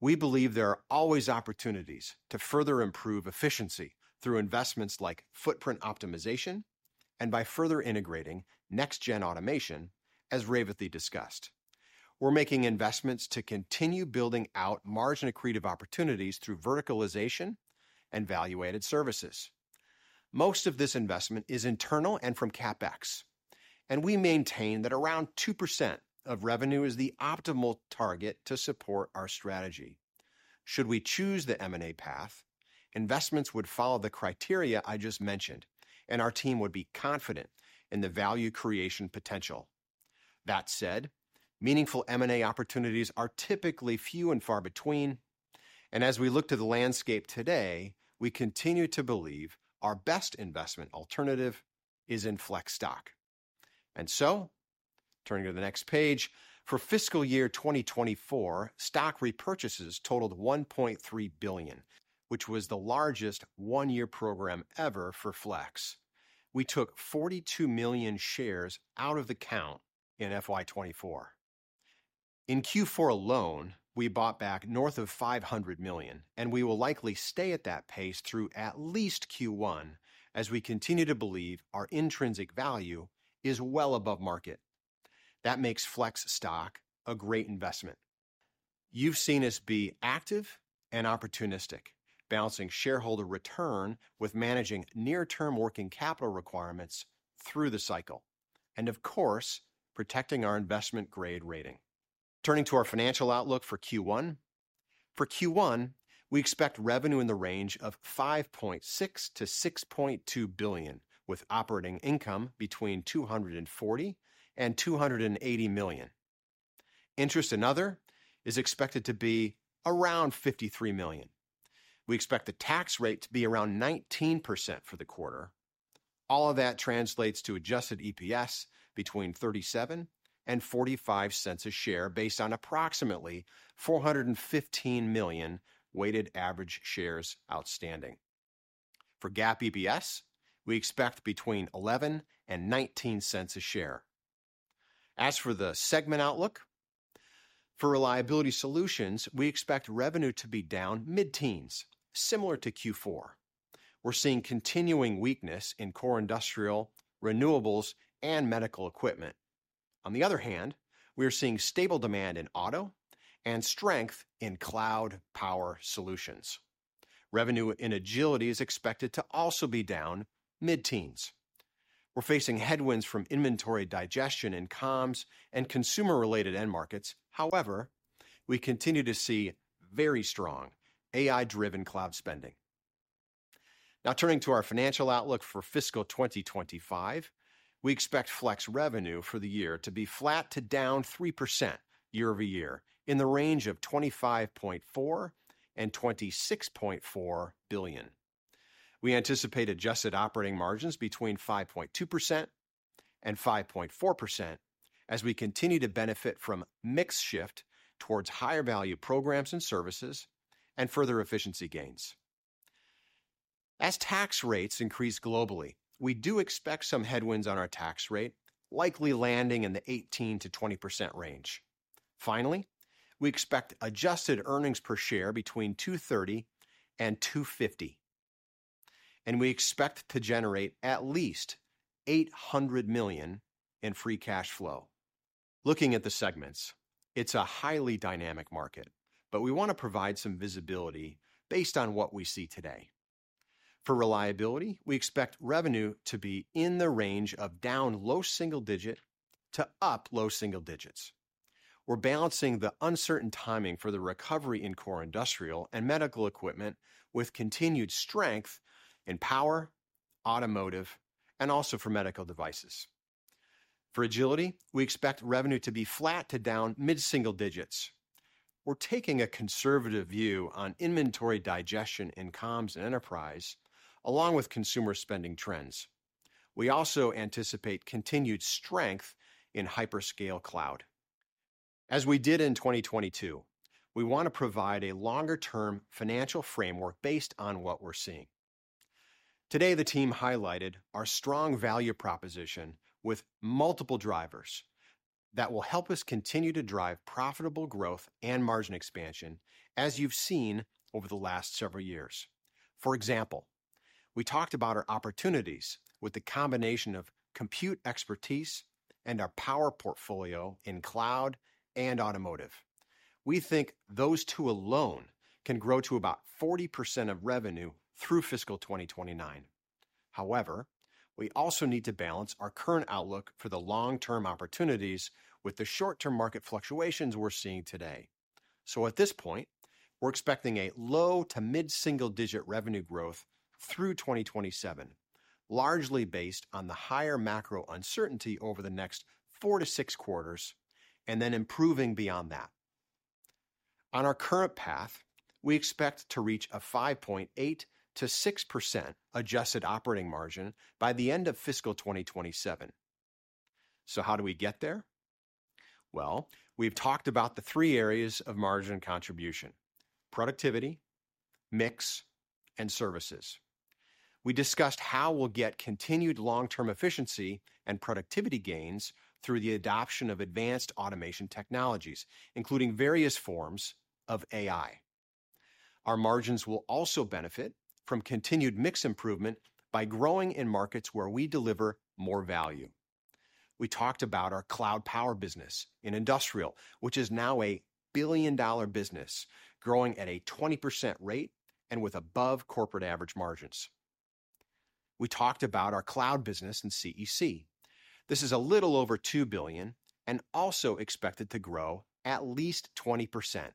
We believe there are always opportunities to further improve efficiency through investments like footprint optimization and by further integrating next-gen automation, as Revathi discussed. We're making investments to continue building out margin-accretive opportunities through verticalization and value-added services. Most of this investment is internal and from CapEx, and we maintain that around 2% of revenue is the optimal target to support our strategy. Should we choose the M&A path, investments would follow the criteria I just mentioned, and our team would be confident in the value creation potential. That said, meaningful M&A opportunities are typically few and far between, and as we look to the landscape today, we continue to believe our best investment alternative is in Flex stock. So, turning to the next page, for fiscal year 2024, stock repurchases totaled $1,300,000,000, which was the largest one-year program ever for Flex. We took 42,000,000 shares out of the count in FY 2024. In Q4 alone, we bought back north of $500,000,000, and we will likely stay at that pace through at least Q1, as we continue to believe our intrinsic value is well above market. That makes Flex stock a great investment. You've seen us be active and opportunistic, balancing shareholder return with managing near-term working capital requirements through the cycle and, of course, protecting our investment-grade rating. Turning to our financial outlook for Q1. For Q1, we expect revenue in the range of $5,600,000,000-$6,200,000,000, with operating income between $240,000,000 and $280,000,000. Interest and other is expected to be around $53,000,000. We expect the tax rate to be around 19% for the quarter. All of that translates to adjusted EPS between $0.37 and $0.45 a share, based on approximately 415,000,000 weighted average shares outstanding. For GAAP EPS, we expect between $0.11 and $0.19 a share. As for the segment outlook, for Reliability Solutions, we expect revenue to be down mid-teens, similar to Q4. We're seeing continuing weakness in core industrial, renewables, and medical equipment. On the other hand, we are seeing stable demand in auto and strength in cloud power solutions. Revenue in Agility is expected to also be down mid-teens. We're facing headwinds from inventory digestion in comms and consumer-related end markets. However, we continue to see very strong AI-driven cloud spending. Now, turning to our financial outlook for fiscal 2025, we expect Flex revenue for the year to be flat to down 3% year-over-year, in the range of $25,400,000,000-$26,400,000,000. We anticipate adjusted operating margins between 5.2% and 5.4% as we continue to benefit from mix shift towards higher-value programs and services and further efficiency gains. As tax rates increase globally, we do expect some headwinds on our tax rate, likely landing in the 18%-20% range. Finally, we expect adjusted earnings per share between $2.30 and $2.50, and we expect to generate at least $800,000,000 in free cash flow. Looking at the segments, it's a highly dynamic market, but we wanna provide some visibility based on what we see today. For Reliability, we expect revenue to be in the range of down low-double-digit to up low-single-digits. We're balancing the uncertain timing for the recovery in core Industrial and medical equipment with continued strength in power, automotive, and also for medical devices. For Agility, we expect revenue to be flat to down mid-single-digits. We're taking a conservative view on inventory digestion in comms and enterprise, along with consumer spending trends. We also anticipate continued strength in hyperscale cloud. As we did in 2022, we wanna provide a longer-term financial framework based on what we're seeing. Today, the team highlighted our strong value proposition with multiple drivers that will help us continue to drive profitable growth and margin expansion, as you've seen over the last several years. For example, we talked about our opportunities with the combination of compute expertise and our power portfolio in cloud and Automotive. We think those two alone can grow to about 40% of revenue through fiscal 2029. However, we also need to balance our current outlook for the long-term opportunities with the short-term market fluctuations we're seeing today. So at this point, we're expecting a low to mid-single-digit revenue growth through 2027, largely based on the higher macro uncertainty over the next 4-6 quarters, and then improving beyond that. On our current path, we expect to reach a 5.8%-6% adjusted operating margin by the end of fiscal 2027. So how do we get there? Well, we've talked about the three areas of margin contribution: productivity, mix, and services. We discussed how we'll get continued long-term efficiency and productivity gains through the adoption of advanced automation technologies, including various forms of AI. Our margins will also benefit from continued mix improvement by growing in markets where we deliver more value. We talked about our cloud power business in Industrial, which is now a billion-dollar business, growing at a 20% rate and with above corporate average margins. We talked about our cloud business in CEC. This is a little over $2,000,000,000 and also expected to grow at least 20%,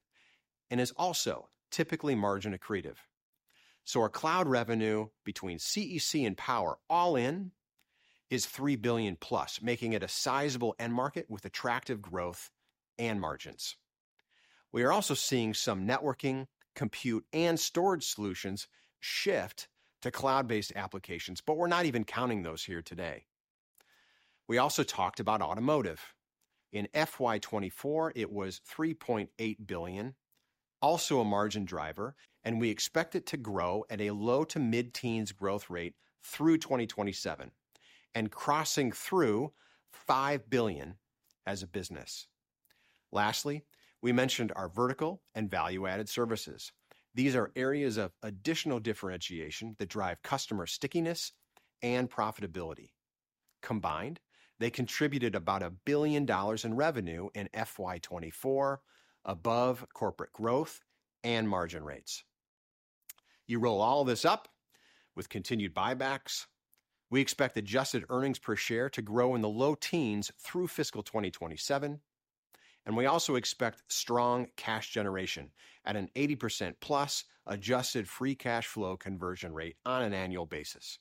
and is also typically margin accretive. So our cloud revenue between CEC and power all in is $3,000,000,000+, making it a sizable end market with attractive growth and margins. We are also seeing some networking, compute, and storage solutions shift to cloud-based applications, but we're not even counting those here today. We also talked about Automotive. In FY 2024, it was $3,800,000,000, also a margin driver, and we expect it to grow at a low-to-mid-teens growth rate through 2027 and crossing through $5,000,000,000 as a business. Lastly, we mentioned our vertical and value-added services. These are areas of additional differentiation that drive customer stickiness and profitability. Combined, they contributed about $1,000,000,000 in revenue in FY 2024, above corporate growth and margin rates. You roll all this up with continued buybacks, we expect adjusted earnings per share to grow in the low teens through fiscal 2027, and we also expect strong cash generation at an 80%+ adjusted free cash flow conversion rate on an annual basis.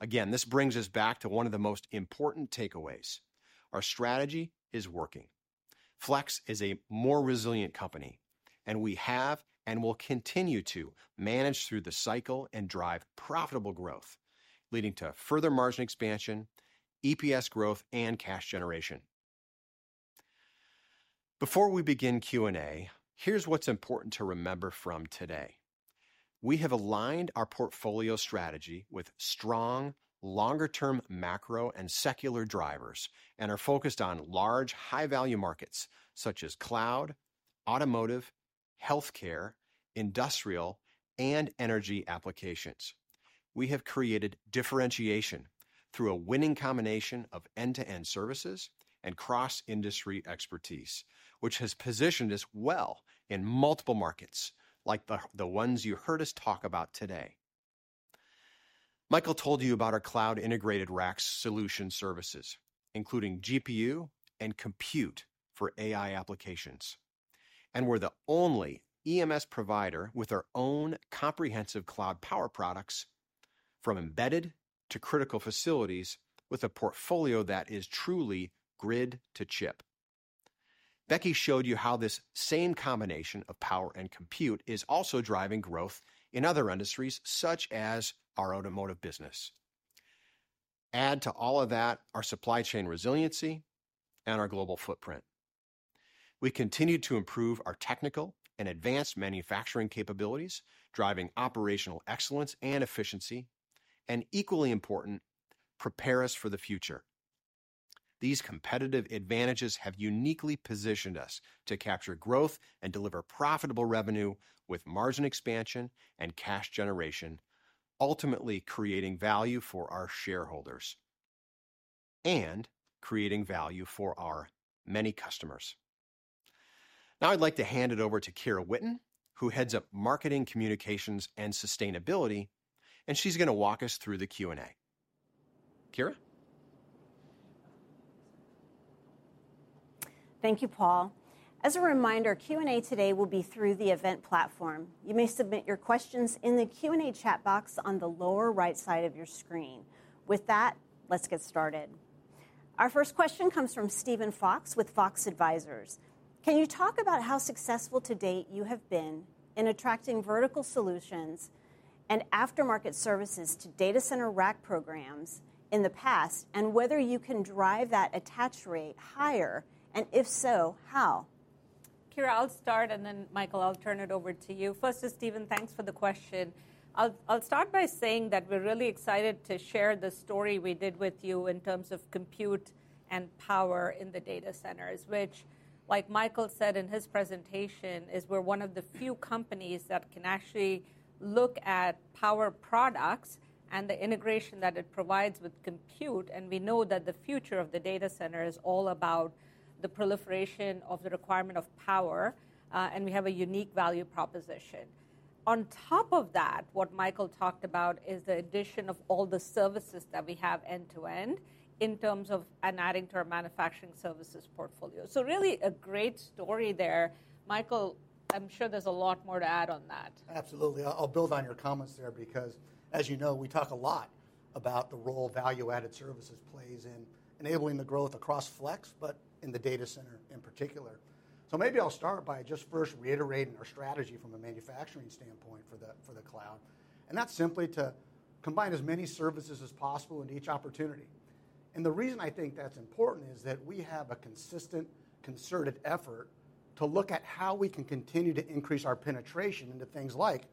Again, this brings us back to one of the most important takeaways: our strategy is working. Flex is a more resilient company, and we have and will continue to manage through the cycle and drive profitable growth, leading to further margin expansion, EPS growth, and cash generation. Before we begin Q&A, here's what's important to remember from today. We have aligned our portfolio strategy with strong, longer-term macro and secular drivers and are focused on large, high-value markets such as Cloud, Automotive, Healthcare, Industrial, and energy applications. We have created differentiation through a winning combination of end-to-end services and cross-industry expertise, which has positioned us well in multiple markets, like the ones you heard us talk about today. Michael told you about our cloud-integrated rack solution services, including GPU and compute for AI applications, and we're the only EMS provider with our own comprehensive cloud power products from embedded to critical facilities with a portfolio that is truly grid to chip. Becky showed you how this same combination of power and compute is also driving growth in other industries, such as our Automotive business. Add to all of that our supply chain resiliency and our global footprint. We continue to improve our technical and advanced manufacturing capabilities, driving operational excellence and efficiency, and equally important, prepare us for the future. These competitive advantages have uniquely positioned us to capture growth and deliver profitable revenue with margin expansion and cash generation, ultimately creating value for our shareholders and creating value for our many customers. Now, I'd like to hand it over to Kyra Whitten, who heads up marketing, communications, and sustainability, and she's going to walk us through the Q&A. Kyra? Thank you, Paul. As a reminder, Q&A today will be through the event platform. You may submit your questions in the Q&A chat box on the lower right side of your screen. With that, let's get started. Our first question comes from Steven Fox with Fox Advisors. Can you talk about how successful to date you have been in attracting vertical solutions and aftermarket services to data center rack programs in the past, and whether you can drive that attach rate higher, and if so, how?... Kya, I'll start, and then Michael, I'll turn it over to you. First to Steven, thanks for the question. I'll, I'll start by saying that we're really excited to share the story we did with you in terms of compute and power in the data centers, which, like Michael said in his presentation, is we're one of the few companies that can actually look at power products and the integration that it provides with compute. And we know that the future of the data center is all about the proliferation of the requirement of power, and we have a unique value proposition. On top of that, what Michael talked about is the addition of all the services that we have end-to-end in terms of, and adding to our manufacturing services portfolio. So really, a great story there. Michael, I'm sure there's a lot more to add on that. Absolutely. I'll build on your comments there because, as you know, we talk a lot about the role value-added services plays in enabling the growth across Flex, but in the data center in particular. So maybe I'll start by just first reiterating our strategy from a manufacturing standpoint for the cloud, and that's simply to combine as many services as possible into each opportunity. The reason I think that's important is that we have a consistent, concerted effort to look at how we can continue to increase our penetration into things like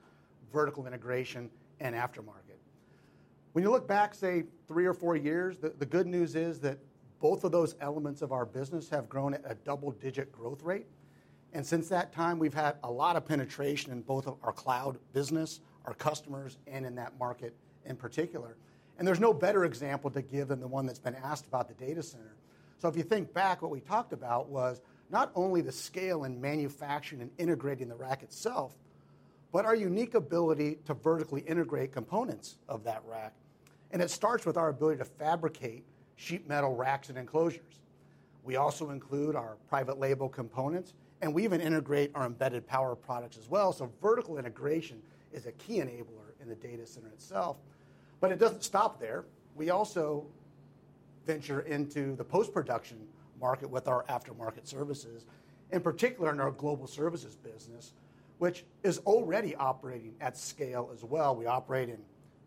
vertical integration and aftermarket. When you look back, say, three or four years, the good news is that both of those elements of our business have grown at a double-digit growth rate, and since that time, we've had a lot of penetration in both our cloud business, our customers, and in that market in particular. And there's no better example to give than the one that's been asked about the data center. So if you think back, what we talked about was not only the scale in manufacturing and integrating the rack itself, but our unique ability to vertically integrate components of that rack. And it starts with our ability to fabricate sheet metal racks and enclosures. We also include our private label components, and we even integrate our embedded power products as well. So vertical integration is a key enabler in the data center itself, but it doesn't stop there. We also venture into the post-production market with our aftermarket services, in particular in our global services business, which is already operating at scale as well. We operate in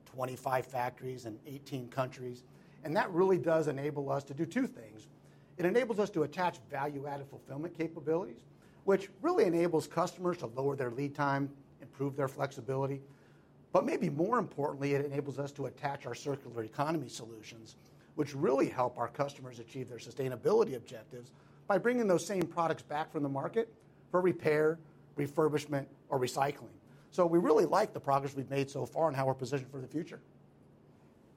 25 factories in 18 countries, and that really does enable us to do two things. It enables us to attach value-added fulfillment capabilities, which really enables customers to lower their lead time, improve their flexibility, but maybe more importantly, it enables us to attach our circular economy solutions, which really help our customers achieve their sustainability objectives by bringing those same products back from the market for repair, refurbishment, or recycling. So we really like the progress we've made so far and how we're positioned for the future.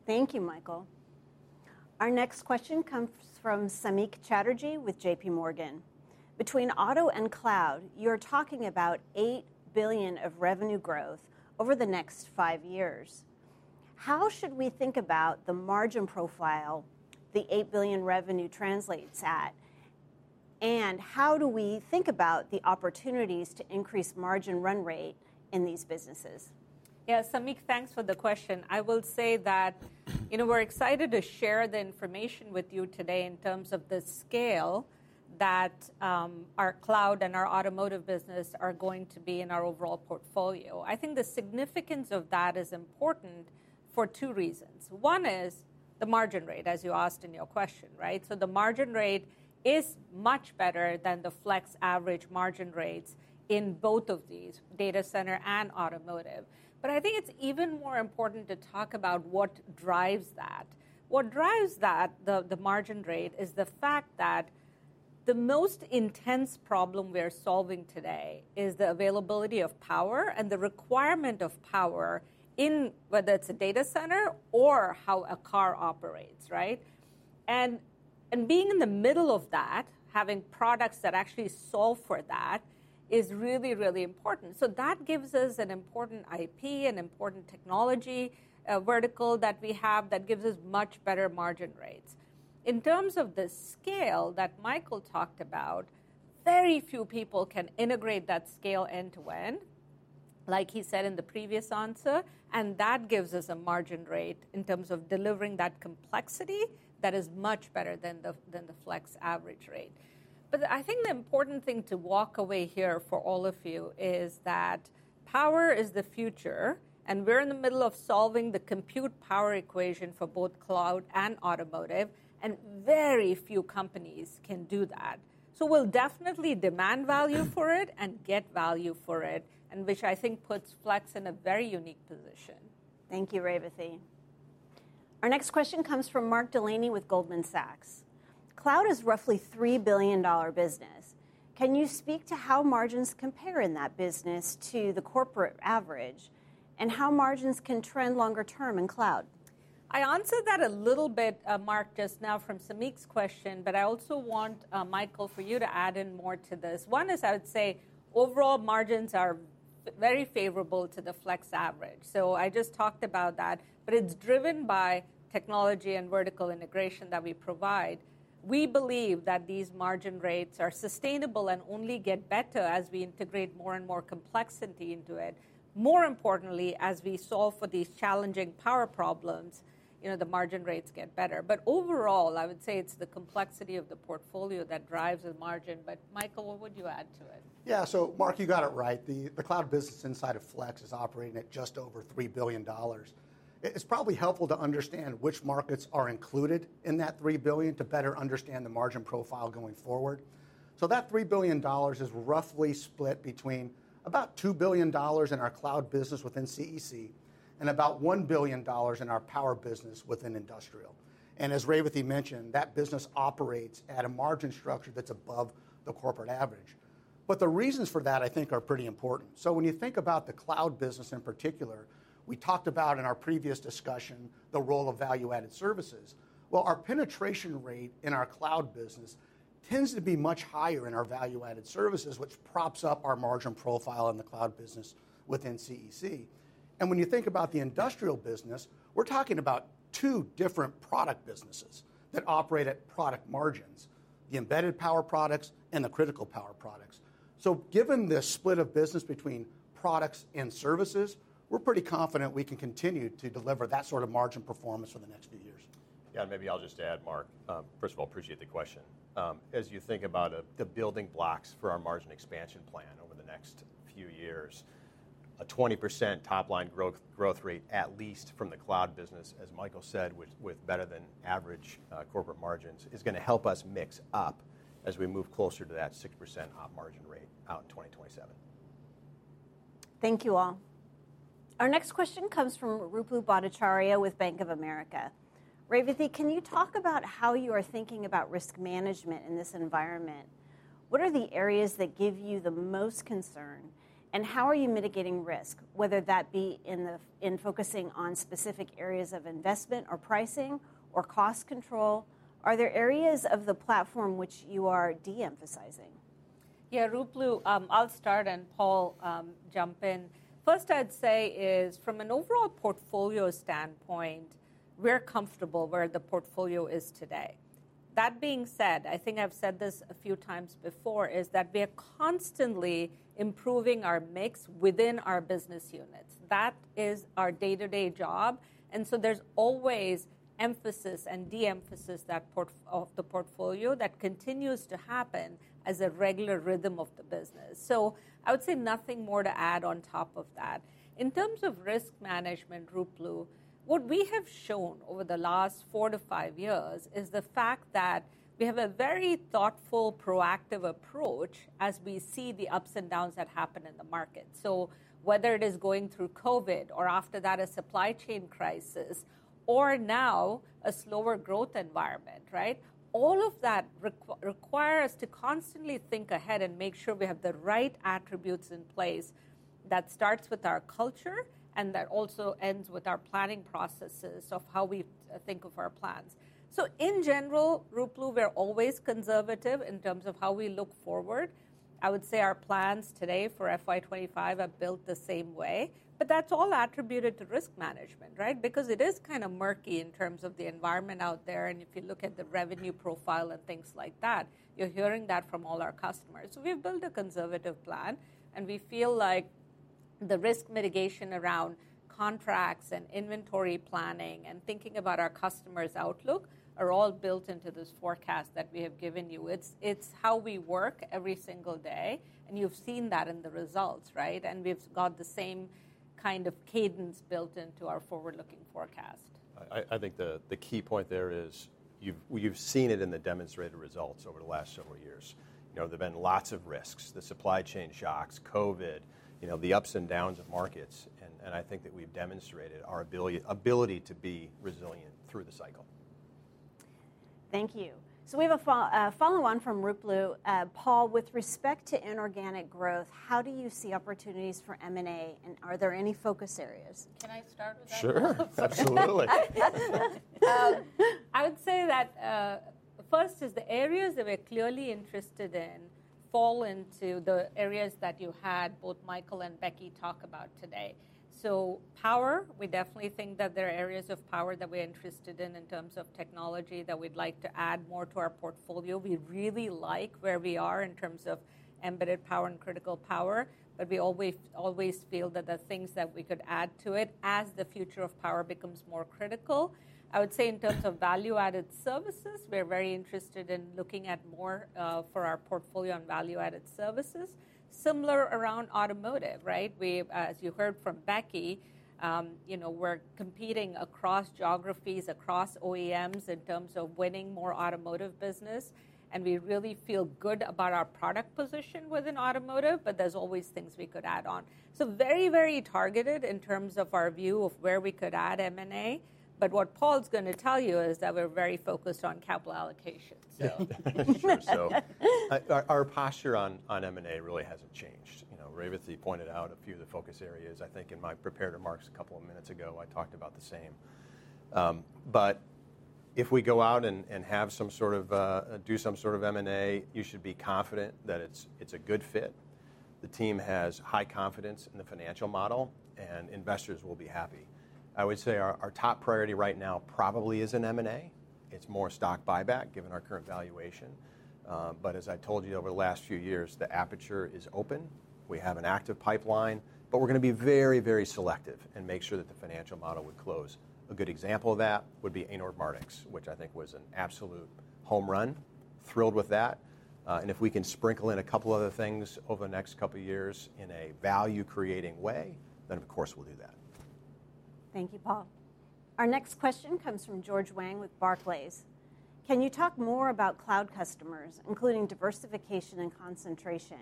Thank you, Michael. Our next question comes from Samik Chatterjee with J.P. Morgan. Between auto and cloud, you're talking about $8,000,000,000 of revenue growth over the next five years. How should we think about the margin profile the $8,000,000,000 revenue translates at? And how do we think about the opportunities to increase margin run rate in these businesses? Yeah, Samik, thanks for the question. I will say that, you know, we're excited to share the information with you today in terms of the scale that our cloud and our Automotive business are going to be in our overall portfolio. I think the significance of that is important for two reasons. One is the margin rate, as you asked in your question, right? So the margin rate is much better than the Flex average margin rates in both of these, data center and Automotive. But I think it's even more important to talk about what drives that. What drives that, the margin rate, is the fact that the most intense problem we are solving today is the availability of power and the requirement of power in whether it's a data center or how a car operates, right? Being in the middle of that, having products that actually solve for that, is really, really important. So that gives us an important IP, an important technology, a vertical that we have that gives us much better margin rates. In terms of the scale that Michael talked about, very few people can integrate that scale end-to-end, like he said in the previous answer, and that gives us a margin rate in terms of delivering that complexity that is much better than the Flex average rate. But I think the important thing to walk away here for all of you is that power is the future, and we're in the middle of solving the compute power equation for both cloud and Automotive, and very few companies can do that. We'll definitely demand value for it and get value for it, and which I think puts Flex in a very unique position. Thank you, Revathi. Our next question comes from Mark Delaney with Goldman Sachs. Cloud is roughly $3,000,000,000 business. Can you speak to how margins compare in that business to the corporate average, and how margins can trend longer term in cloud? I answered that a little bit, Mark, just now from Samik's question, but I also want, Michael, for you to add in more to this. One is I would say overall margins are very favorable to the Flex average, so I just talked about that, but it's driven by technology and vertical integration that we provide. We believe that these margin rates are sustainable and only get better as we integrate more and more complexity into it. More importantly, as we solve for these challenging power problems, you know, the margin rates get better. But overall, I would say it's the complexity of the portfolio that drives the margin. But Michael, what would you add to it? Yeah. So Mark, you got it right. The cloud business inside of Flex is operating at just over $3,000,000,000. It's probably helpful to understand which markets are included in that $3,000,000,000 to better understand the margin profile going forward. So that $3,000,000,000 is roughly split between about $2,000,000,000 in our cloud business within CEC-... and about $1,000,000,000 in our power business within Industrial. And as Revathi mentioned, that business operates at a margin structure that's above the corporate average. But the reasons for that, I think, are pretty important. So when you think about the cloud business in particular, we talked about in our previous discussion the role of value-added services. Well, our penetration rate in our cloud business tends to be much higher in our value-added services, which props up our margin profile in the cloud business within CEC. When you think about the Industrial business, we're talking about two different product businesses that operate at product margins: the embedded power products and the critical power products. Given this split of business between products and services, we're pretty confident we can continue to deliver that sort of margin performance for the next few years. Yeah, and maybe I'll just add, Mark, first of all, appreciate the question. As you think about the building blocks for our margin expansion plan over the next few years, a 20% top line growth rate, at least from the cloud business, as Michael said, with better than average corporate margins, is gonna help us mix up as we move closer to that 6% op margin rate out in 2027. Thank you, all. Our next question comes from Ruplu Bhattacharya with Bank of America. Revathi, can you talk about how you are thinking about risk management in this environment? What are the areas that give you the most concern, and how are you mitigating risk, whether that be in focusing on specific areas of investment, or pricing, or cost control? Are there areas of the platform which you are de-emphasizing? Yeah, Ruplu, I'll start, and Paul, jump in. First, I'd say is from an overall portfolio standpoint, we're comfortable where the portfolio is today. That being said, I think I've said this a few times before, is that we are constantly improving our mix within our business units. That is our day-to-day job, and so there's always emphasis and de-emphasis of the portfolio that continues to happen as a regular rhythm of the business. So I would say nothing more to add on top of that. In terms of risk management, Ruplu, what we have shown over the last 4-5 years is the fact that we have a very thoughtful, proactive approach as we see the ups and downs that happen in the market. So whether it is going through COVID or, after that, a supply chain crisis, or now a slower growth environment, right? All of that require us to constantly think ahead and make sure we have the right attributes in place. That starts with our culture, and that also ends with our planning processes of how we think of our plans. So in general, Ruplu, we're always conservative in terms of how we look forward. I would say our plans today for FY 2025 are built the same way, but that's all attributed to risk management, right? Because it is kinda murky in terms of the environment out there, and if you look at the revenue profile and things like that, you're hearing that from all our customers. So we've built a conservative plan, and we feel like the risk mitigation around contracts and inventory planning and thinking about our customers' outlook are all built into this forecast that we have given you. It's, it's how we work every single day, and you've seen that in the results, right? We've got the same kind of cadence built into our forward-looking forecast. I think the key point there is you've seen it in the demonstrated results over the last several years. You know, there've been lots of risks, the supply chain shocks, COVID, you know, the ups and downs of markets, and I think that we've demonstrated our ability to be resilient through the cycle. Thank you. So we have a follow-on from Ruplu. Paul, with respect to inorganic growth, how do you see opportunities for M&A, and are there any focus areas? Can I start with that one? Sure. Absolutely. I would say that first is the areas that we're clearly interested in fall into the areas that you had both Michael and Becky talk about today. So power, we definitely think that there are areas of power that we're interested in, in terms of technology, that we'd like to add more to our portfolio. We really like where we are in terms of embedded power and critical power, but we always, always feel that there are things that we could add to it as the future of power becomes more critical. I would say in terms of value-added services, we're very interested in looking at more for our portfolio and value-added services. Similar around Automotive, right? We've, as you heard from Becky, you know, we're competing across geographies, across OEMs, in terms of winning more Automotive business, and we really feel good about our product position within Automotive, but there's always things we could add on. So very, very targeted in terms of our view of where we could add M&A, but what Paul's gonna tell you is that we're very focused on capital allocation, so. Sure, our posture on M&A really hasn't changed. You know, Revathi pointed out a few of the focus areas. I think in my prepared remarks a couple of minutes ago, I talked about the same. But if we go out and have some sort of M&A, you should be confident that it's a good fit. The team has high confidence in the financial model, and investors will be happy. I would say our top priority right now probably isn't M&A. It's more stock buyback, given our current valuation. But as I told you over the last few years, the aperture is open. We have an active pipeline, but we're gonna be very, very selective and make sure that the financial model would close. A good example of that would be Anord Mardix, which I think was an absolute home run. Thrilled with that, and if we can sprinkle in a couple other things over the next couple years in a value-creating way, then of course, we'll do that. Thank you, Paul. Our next question comes from George Wang with Barclays... Can you talk more about cloud customers, including diversification and concentration?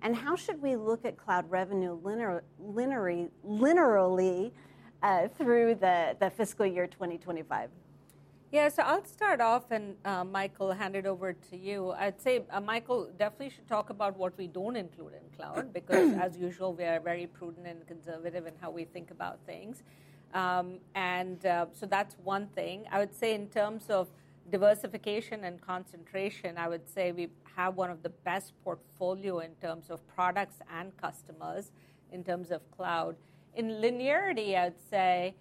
And how should we look at cloud revenue linearly through the fiscal year 2025? Yeah, so I'll start off and, Michael, hand it over to you. I'd say, Michael definitely should talk about what we don't include in cloud, because, as usual, we are very prudent and conservative in how we think about things. So that's one thing. I would say in terms of diversification and concentration, I would say we have one of the best portfolio in terms of products and customers, in terms of cloud. In linearity, I'd say,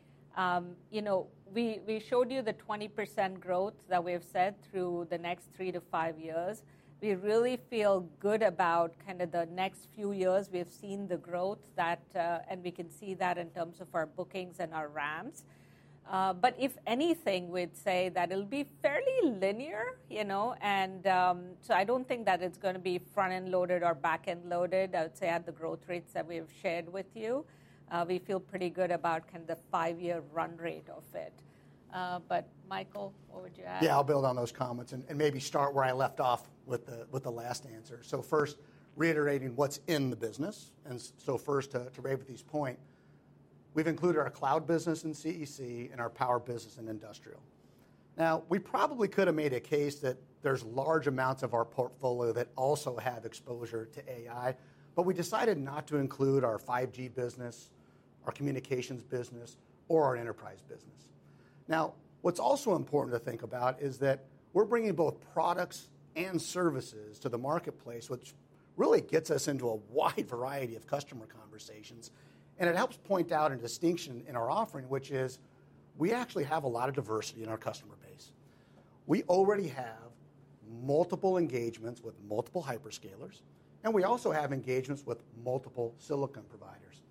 you know, we, we showed you the 20% growth that we have said through the next 3 to 5 years. We really feel good about kind of the next few years. We have seen the growth that, and we can see that in terms of our bookings and our ramps. But if anything, we'd say that it'll be fairly linear, you know? And, so I don't think that it's gonna be front-end loaded or back-end loaded, I would say, at the growth rates that we have shared with you. We feel pretty good about kind of the five-year run rate of it. But Michael, what would you add? Yeah, I'll build on those comments and maybe start where I left off with the last answer. So first, reiterating what's in the business, so first, to Revathi's point, we've included our cloud business in CEC and our power business in Industrial. Now, we probably could have made a case that there's large amounts of our portfolio that also have exposure to AI, but we decided not to include our 5G business, our communications business or our enterprise business. Now, what's also important to think about is that we're bringing both products and services to the marketplace, which really gets us into a wide variety of customer conversations, and it helps point out a distinction in our offering, which is we actually have a lot of diversity in our customer base. We already have multiple engagements with multiple hyperscalers, and we also have engagements with multiple silicon providers.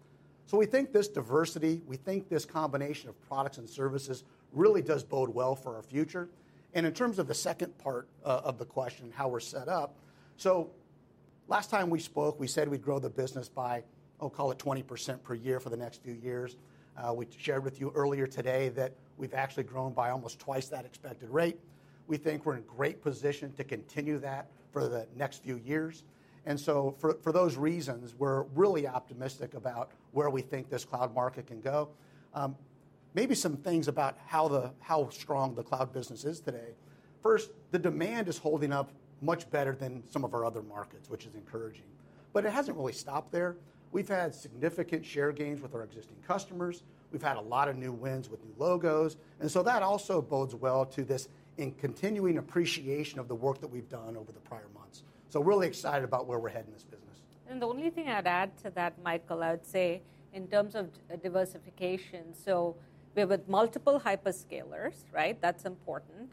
So we think this diversity, we think this combination of products and services really does bode well for our future. And in terms of the second part of the question, how we're set up... So last time we spoke, we said we'd grow the business by, oh, call it 20% per year for the next few years. We shared with you earlier today that we've actually grown by almost twice that expected rate. We think we're in great position to continue that for the next few years. And so for, for those reasons, we're really optimistic about where we think this cloud market can go. Maybe some things about how strong the cloud business is today. First, the demand is holding up much better than some of our other markets, which is encouraging, but it hasn't really stopped there. We've had significant share gains with our existing customers. We've had a lot of new wins with new logos, and so that also bodes well to this in continuing appreciation of the work that we've done over the prior months. So really excited about where we're heading this business. The only thing I'd add to that, Michael, I would say in terms of diversification, so we're with multiple hyperscalers, right? That's important.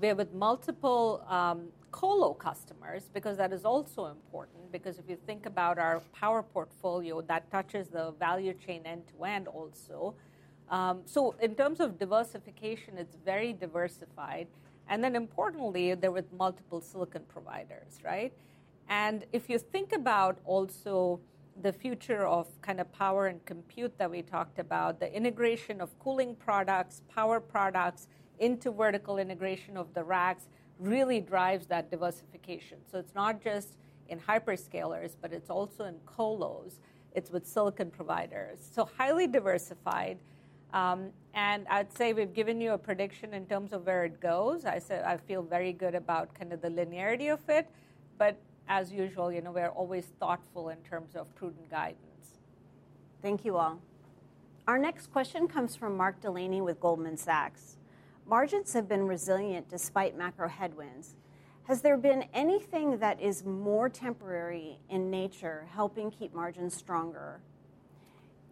We're with multiple colo customers, because that is also important, because if you think about our power portfolio, that touches the value chain end to end also. So in terms of diversification, it's very diversified, and then importantly, they're with multiple silicon providers, right? And if you think about also the future of kind of power and compute that we talked about, the integration of cooling products, power products into vertical integration of the racks really drives that diversification. So it's not just in hyperscalers, but it's also in colos. It's with silicon providers. So highly diversified, and I'd say we've given you a prediction in terms of where it goes. I said I feel very good about kind of the linearity of it, but as usual, you know, we're always thoughtful in terms of prudent guidance. Thank you, all. Our next question comes from Mark Delaney with Goldman Sachs: Margins have been resilient despite macro headwinds. Has there been anything that is more temporary in nature helping keep margins stronger?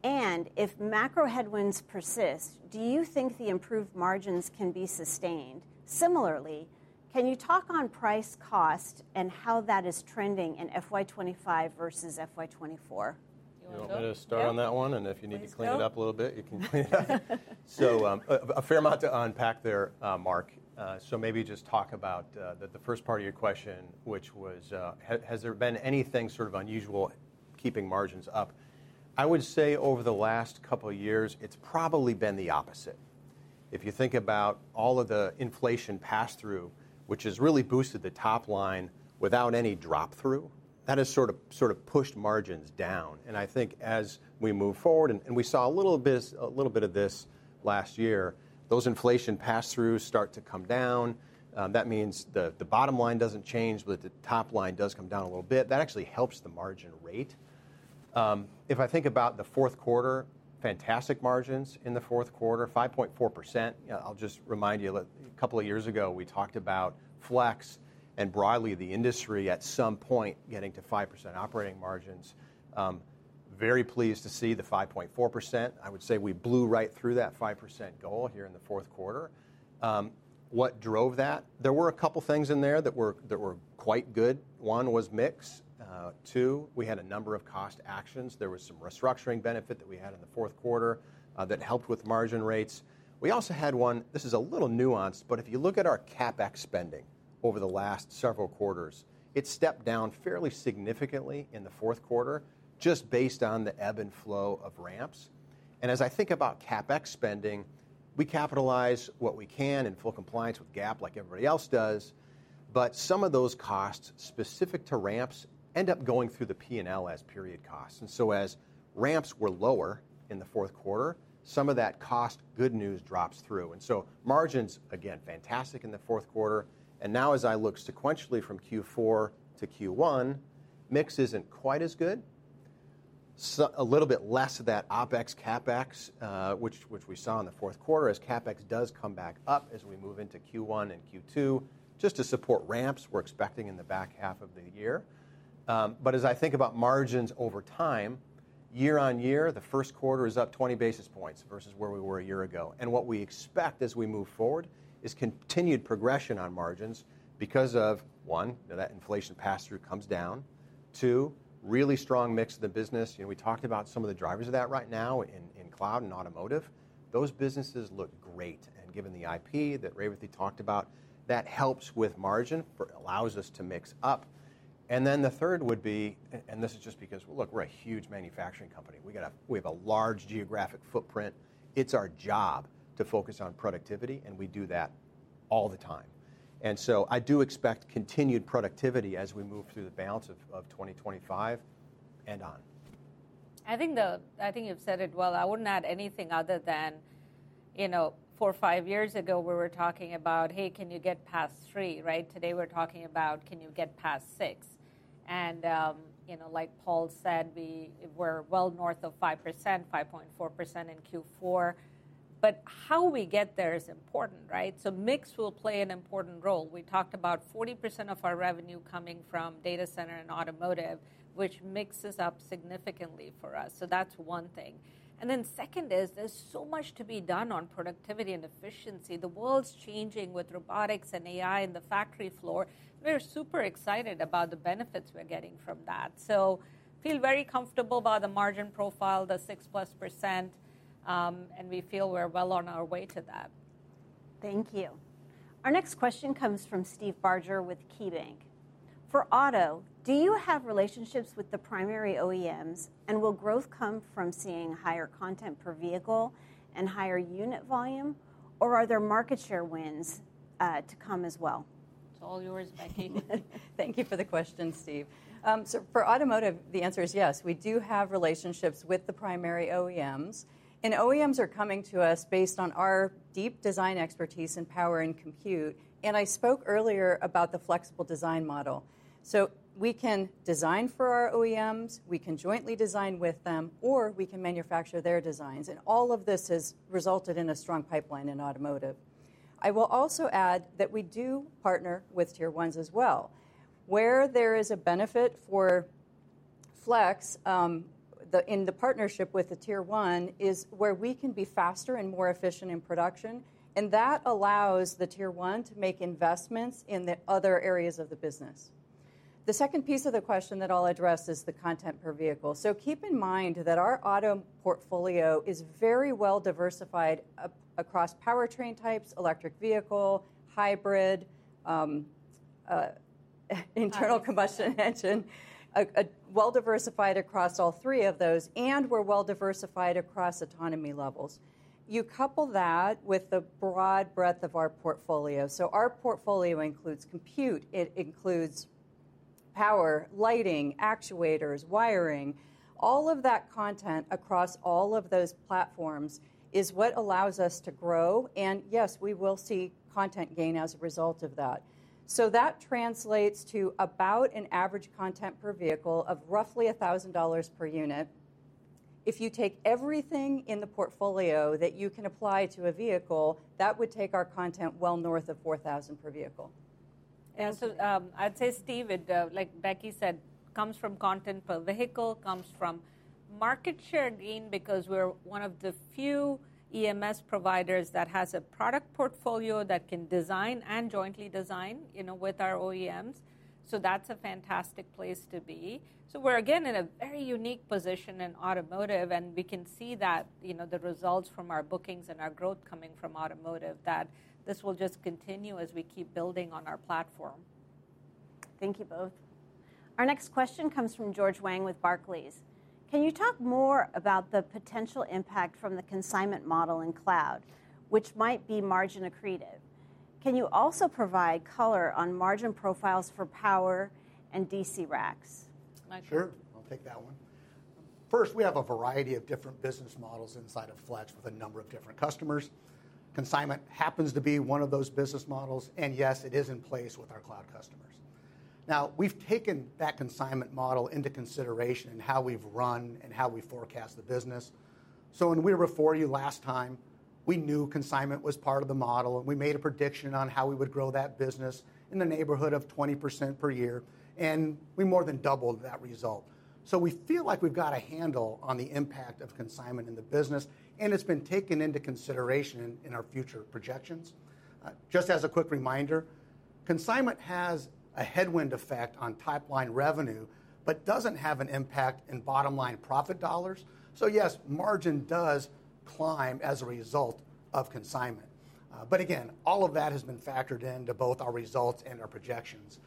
And if macro headwinds persist, do you think the improved margins can be sustained? Similarly, can you talk on price cost and how that is trending in FY 2025 versus FY 2024? You wanna go? You want me to start on that one? Please go. And if you need to clean it up a little bit, you can clean it up. So, a fair amount to unpack there, Mark. So maybe just talk about the first part of your question, which was, has there been anything sort of unusual keeping margins up? I would say over the last couple years, it's probably been the opposite. If you think about all of the inflation pass-through, which has really boosted the top line without any drop-through, that has sort of pushed margins down, and I think as we move forward, and we saw a little bit of this last year, those inflation pass-throughs start to come down. That means the bottom line doesn't change, but the top line does come down a little bit. That actually helps the margin rate. If I think about the fourth quarter, fantastic margins in the fourth quarter, 5.4%. I'll just remind you that a couple of years ago, we talked about Flex and broadly, the industry at some point getting to 5% operating margins. Very pleased to see the 5.4%. I would say we blew right through that 5% goal here in the fourth quarter. What drove that? There were a couple things in there that were quite good. One was mix. Two, we had a number of cost actions. There was some restructuring benefit that we had in the fourth quarter, that helped with margin rates. We also had one... This is a little nuanced, but if you look at our CapEx spending over the last several quarters, it stepped down fairly significantly in the fourth quarter, just based on the ebb and flow of ramps. And as I think about CapEx spending, we capitalize what we can in full compliance with GAAP, like everybody else does. But some of those costs specific to ramps end up going through the P&L as period costs. And so as ramps were lower in the fourth quarter, some of that cost, good news drops through. And so margins, again, fantastic in the fourth quarter, and now as I look sequentially from Q4 to Q1, mix isn't quite as good. So a little bit less of that OpEx, CapEx, which we saw in the fourth quarter, as CapEx does come back up as we move into Q1 and Q2, just to support ramps we're expecting in the back half of the year. But as I think about margins over time, year-on-year, the first quarter is up 20 basis points versus where we were a year ago. And what we expect as we move forward is continued progression on margins because of, one, that inflation pass-through comes down. Two, really strong mix of the business, you know, we talked about some of the drivers of that right now in, in cloud and Automotive. Those businesses look great, and given the IP that Revathi talked about, that helps with margin, allows us to mix up. And then the third would be, and this is just because, look, we're a huge manufacturing company. We have a large geographic footprint. It's our job to focus on productivity, and we do that all the time. And so I do expect continued productivity as we move through the balance of 2025 and on. I think you've said it well. I wouldn't add anything other than, you know, 4 or 5 years ago, we were talking about, "Hey, can you get past 3?" Right? Today, we're talking about, "Can you get past 6?" And, you know, like Paul said, we're well north of 5%, 5.4% in Q4. But how we get there is important, right? So mix will play an important role. We talked about 40% of our revenue coming from data center and Automotive, which mixes up significantly for us. So that's one thing. And then second is, there's so much to be done on productivity and efficiency. The world's changing with robotics and AI in the factory floor. We're super excited about the benefits we're getting from that. So feel very comfortable about the margin profile, the 6%+, and we feel we're well on our way to that. Thank you. Our next question comes from Steve Barger with KeyBank. For auto, do you have relationships with the primary OEMs, and will growth come from seeing higher content per vehicle and higher unit volume, or are there market share wins, to come as well? It's all yours, Becky. Thank you for the question, Steve. So for Automotive, the answer is yes. We do have relationships with the primary OEMs, and OEMs are coming to us based on our deep design expertise in power and compute. And I spoke earlier about the flexible design model. So we can design for our OEMs, we can jointly design with them, or we can manufacture their designs, and all of this has resulted in a strong pipeline in Automotive. I will also add that we do partner with Tier ones as well. Where there is a benefit for Flex, in the partnership with the Tier one, is where we can be faster and more efficient in production, and that allows the Tier one to make investments in the other areas of the business. The second piece of the question that I'll address is the content per vehicle. So keep in mind that our Auto portfolio is very well diversified across powertrain types, electric vehicle, hybrid, internal combustion engine. A well-diversified across all three of those, and we're well diversified across autonomy levels. You couple that with the broad breadth of our portfolio. So our portfolio includes compute, it includes power, lighting, actuators, wiring. All of that content across all of those platforms is what allows us to grow, and yes, we will see content gain as a result of that. So that translates to about an average content per vehicle of roughly $1,000 per unit. If you take everything in the portfolio that you can apply to a vehicle, that would take our content well north of 4,000 per vehicle. And so, I'd say, Steve, it, like Becky said, comes from content per vehicle, comes from market share gain, because we're one of the few EMS providers that has a product portfolio that can design and jointly design, you know, with our OEMs. So that's a fantastic place to be. So we're again in a very unique position in Automotive, and we can see that, you know, the results from our bookings and our growth coming from Automotive, that this will just continue as we keep building on our platform. Thank you both. Our next question comes from George Wang with Barclays. Can you talk more about the potential impact from the consignment model in cloud, which might be margin accretive? Can you also provide color on margin profiles for power and DC racks? Sure, I'll take that one. First, we have a variety of different business models inside of Flex with a number of different customers. Consignment happens to be one of those business models, and yes, it is in place with our cloud customers. Now, we've taken that consignment model into consideration in how we've run and how we forecast the business. So when we were before you last time, we knew consignment was part of the model, and we made a prediction on how we would grow that business in the neighborhood of 20% per year, and we more than doubled that result. So we feel like we've got a handle on the impact of consignment in the business, and it's been taken into consideration in our future projections. Just as a quick reminder, consignment has a headwind effect on top-line revenue, but doesn't have an impact in bottom-line profit dollars. So yes, margin does climb as a result of consignment.... but again, all of that has been factored into both our results and our projections.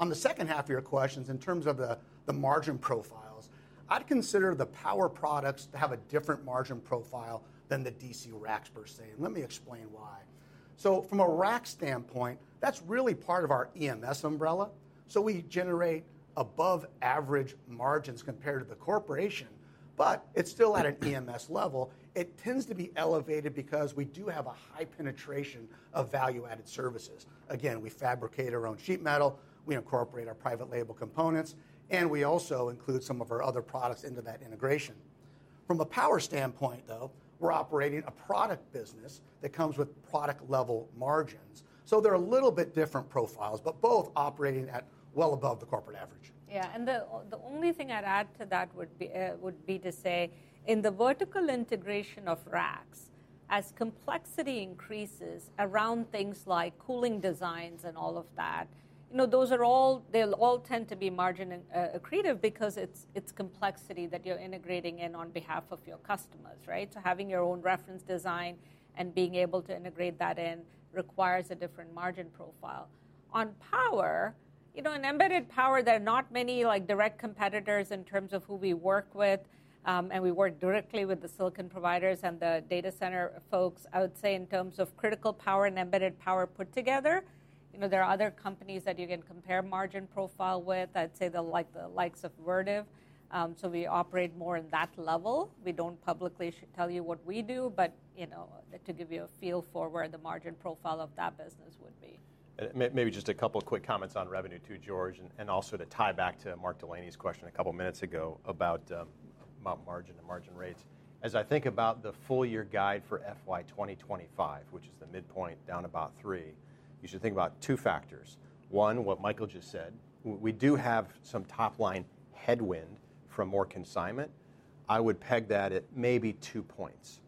On the second half of your questions, in terms of the margin profiles, I'd consider the power products to have a different margin profile than the DC racks, per se, and let me explain why. So from a rack standpoint, that's really part of our EMS umbrella, so we generate above average margins compared to the corporation, but it's still at an EMS level. It tends to be elevated because we do have a high penetration of value-added services. Again, we fabricate our own sheet metal, we incorporate our private label components, and we also include some of our other products into that integration. From a power standpoint, though, we're operating a product business that comes with product-level margins, so they're a little bit different profiles, but both operating at well above the corporate average. Yeah, and the only thing I'd add to that would be to say, in the vertical integration of racks, as complexity increases around things like cooling designs and all of that, you know, those are all—they'll all tend to be margin accretive because it's, it's complexity that you're integrating in on behalf of your customers, right? So having your own reference design and being able to integrate that in requires a different margin profile. On power, you know, in embedded power, there are not many like direct competitors in terms of who we work with. And we work directly with the silicon providers and the data center folks. I would say, in terms of critical power and embedded power put together, you know, there are other companies that you can compare margin profile with. I'd say the like, the likes of Vertiv. So we operate more in that level. We don't publicly tell you what we do, but, you know, to give you a feel for where the margin profile of that business would be. Maybe just a couple quick comments on revenue too, George, and also to tie back to Mark Delaney's question a couple of minutes ago about margin and margin rates. As I think about the full year guide for FY 2025, which is the midpoint down about three, you should think about two factors. One, what Michael just said. We do have some top-line headwind from more consignment. I would peg that at maybe two points.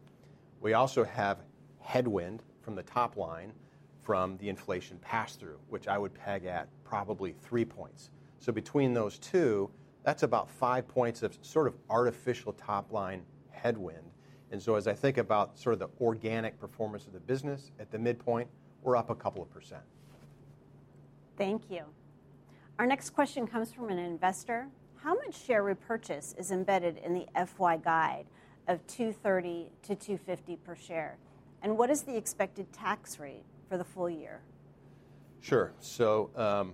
We also have headwind from the top line, from the inflation pass-through, which I would peg at probably three points. So between those two, that's about five points of sort of artificial top-line headwind. And so as I think about sort of the organic performance of the business at the midpoint, we're up a couple of %. Thank you. Our next question comes from an investor: How much share repurchase is embedded in the FY guide of $2.30-$2.50 per share? And what is the expected tax rate for the full year? Sure. So,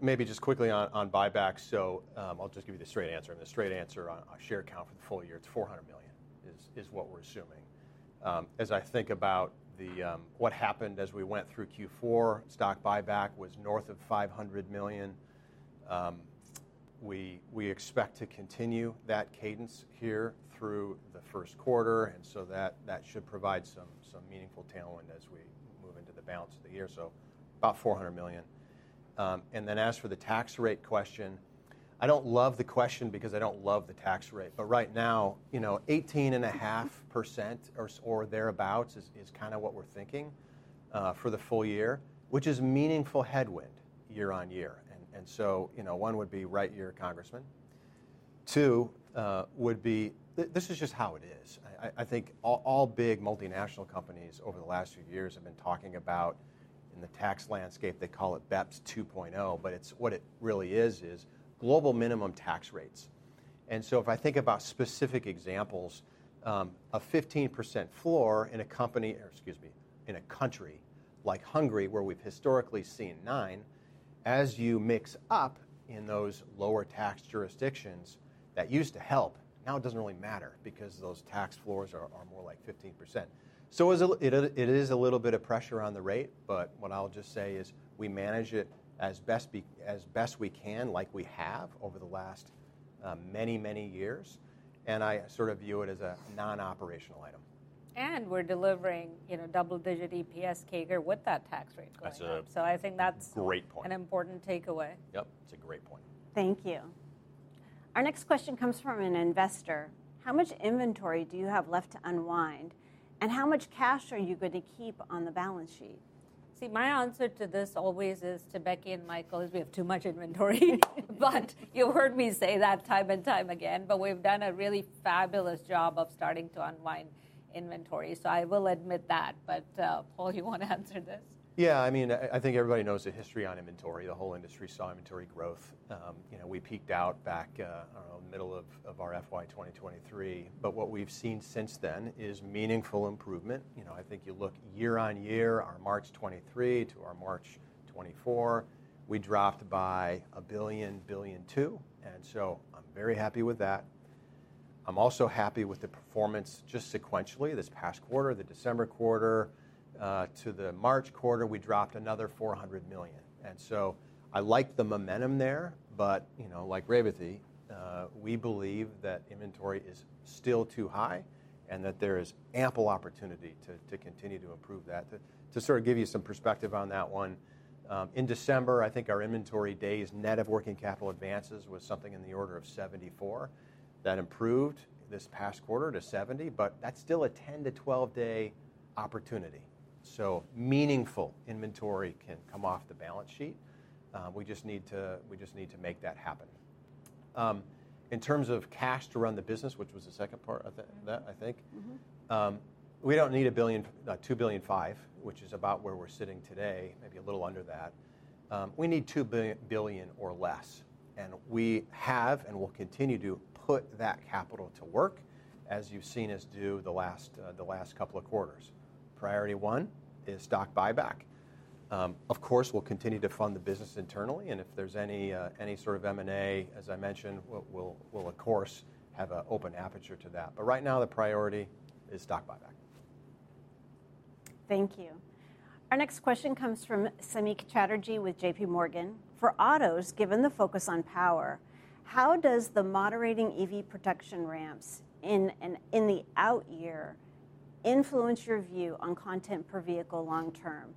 maybe just quickly on buybacks, so, I'll just give you the straight answer, and the straight answer on share count for the full year, it's $400,000,000, is what we're assuming. As I think about what happened as we went through Q4, stock buyback was north of $500,000,000. We expect to continue that cadence here through the first quarter, and so that should provide some meaningful tailwind as we move into the balance of the year. So about $400,000,000. And then as for the tax rate question, I don't love the question because I don't love the tax rate, but right now, you know, 18.5% or so or thereabouts is kind of what we're thinking for the full year, which is meaningful headwind year-on-year. And so, you know, one would be write your congressman. Two would be this is just how it is. I think all big multinational companies over the last few years have been talking about in the tax landscape, they call it BEPS 2.0, but what it really is is global minimum tax rates. If I think about specific examples, a 15% floor in a company, or excuse me, in a country like Hungary, where we've historically seen 9%, as you mix up in those lower tax jurisdictions, that used to help, now it doesn't really matter because those tax floors are more like 15%. So it is a little bit of pressure on the rate, but what I'll just say is, we manage it as best we can, like we have over the last many, many years, and I sort of view it as a non-operational item. And we're delivering, you know, double-digit EPS CAGR with that tax rate going on. That's a- So I think that's- Great point... an important takeaway. Yep, it's a great point. Thank you. Our next question comes from an investor: How much inventory do you have left to unwind, and how much cash are you going to keep on the balance sheet? See, my answer to this always is, to Becky and Michael, is we have too much inventory. But you've heard me say that time and time again, but we've done a really fabulous job of starting to unwind inventory, so I will admit that. But, Paul, you want to answer this? Yeah, I mean, I think everybody knows the history on inventory. The whole industry saw inventory growth. You know, we peaked out back, I don't know, middle of our FY 2023, but what we've seen since then is meaningful improvement. You know, I think you look year-on-year, our March 2023 to our March 2024, we dropped by $1,000,000,000-$1,200,000,000, and so I'm very happy with that. I'm also happy with the performance just sequentially this past quarter, the December quarter, to the March quarter, we dropped another $400,000,000, and so I like the momentum there. But, you know, like Revathi, we believe that inventory is still too high and that there is ample opportunity to continue to improve that. To sort of give you some perspective on that one, in December, I think our inventory days net of working capital advances was something in the order of 74. That improved this past quarter to 70, but that's still a 10- to 12-day opportunity. So meaningful inventory can come off the balance sheet, we just need to, we just need to make that happen.... In terms of cash to run the business, which was the second part of that, I think? Mm-hmm. We don't need $1,000,000,000, $2,500,000,000, which is about where we're sitting today, maybe a little under that. We need $2,000,000,000 or less, and we have and will continue to put that capital to work, as you've seen us do the last couple of quarters. Priority 1 is stock buyback. Of course, we'll continue to fund the business internally, and if there's any sort of M&A, as I mentioned, we'll, of course, have an open appetite to that. But right now, the priority is stock buyback. Thank you. Our next question comes from Samik Chatterjee with J.P. Morgan. For autos, given the focus on power, how does the moderating EV production ramps in the out year influence your view on content per vehicle long term?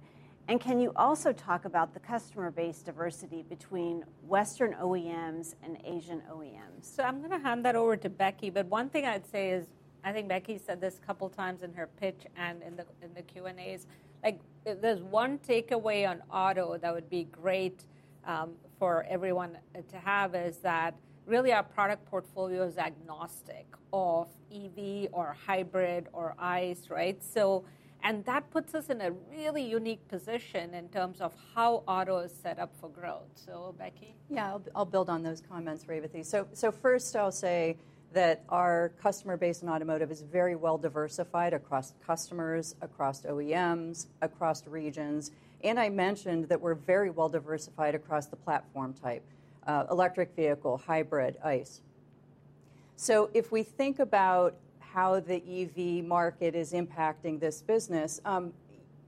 And can you also talk about the customer base diversity between Western OEMs and Asian OEMs? So I'm going to hand that over to Becky, but one thing I'd say is, I think Becky said this a couple of times in her pitch and in the Q and A's. Like, if there's one takeaway on Auto that would be great, for everyone to have, is that really, our product portfolio is agnostic of EV or hybrid or ICE, right? So, and that puts us in a really unique position in terms of how Auto is set up for growth. So, Becky? Yeah, I'll, I'll build on those comments, Revathi. So, so first, I'll say that our customer base in Automotive is very well diversified across customers, across OEMs, across regions. And I mentioned that we're very well diversified across the platform type, electric vehicle, hybrid, ICE. So if we think about how the EV market is impacting this business,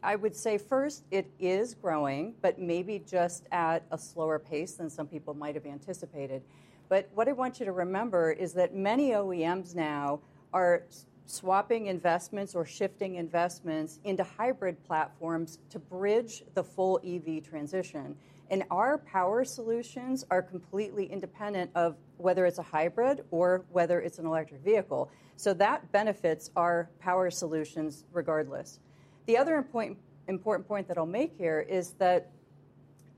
I would say first it is growing, but maybe just at a slower pace than some people might have anticipated. But what I want you to remember is that many OEMs now are swapping investments or shifting investments into hybrid platforms to bridge the full EV transition. And our power solutions are completely independent of whether it's a hybrid or whether it's an electric vehicle, so that benefits our power solutions regardless. The other important point that I'll make here is that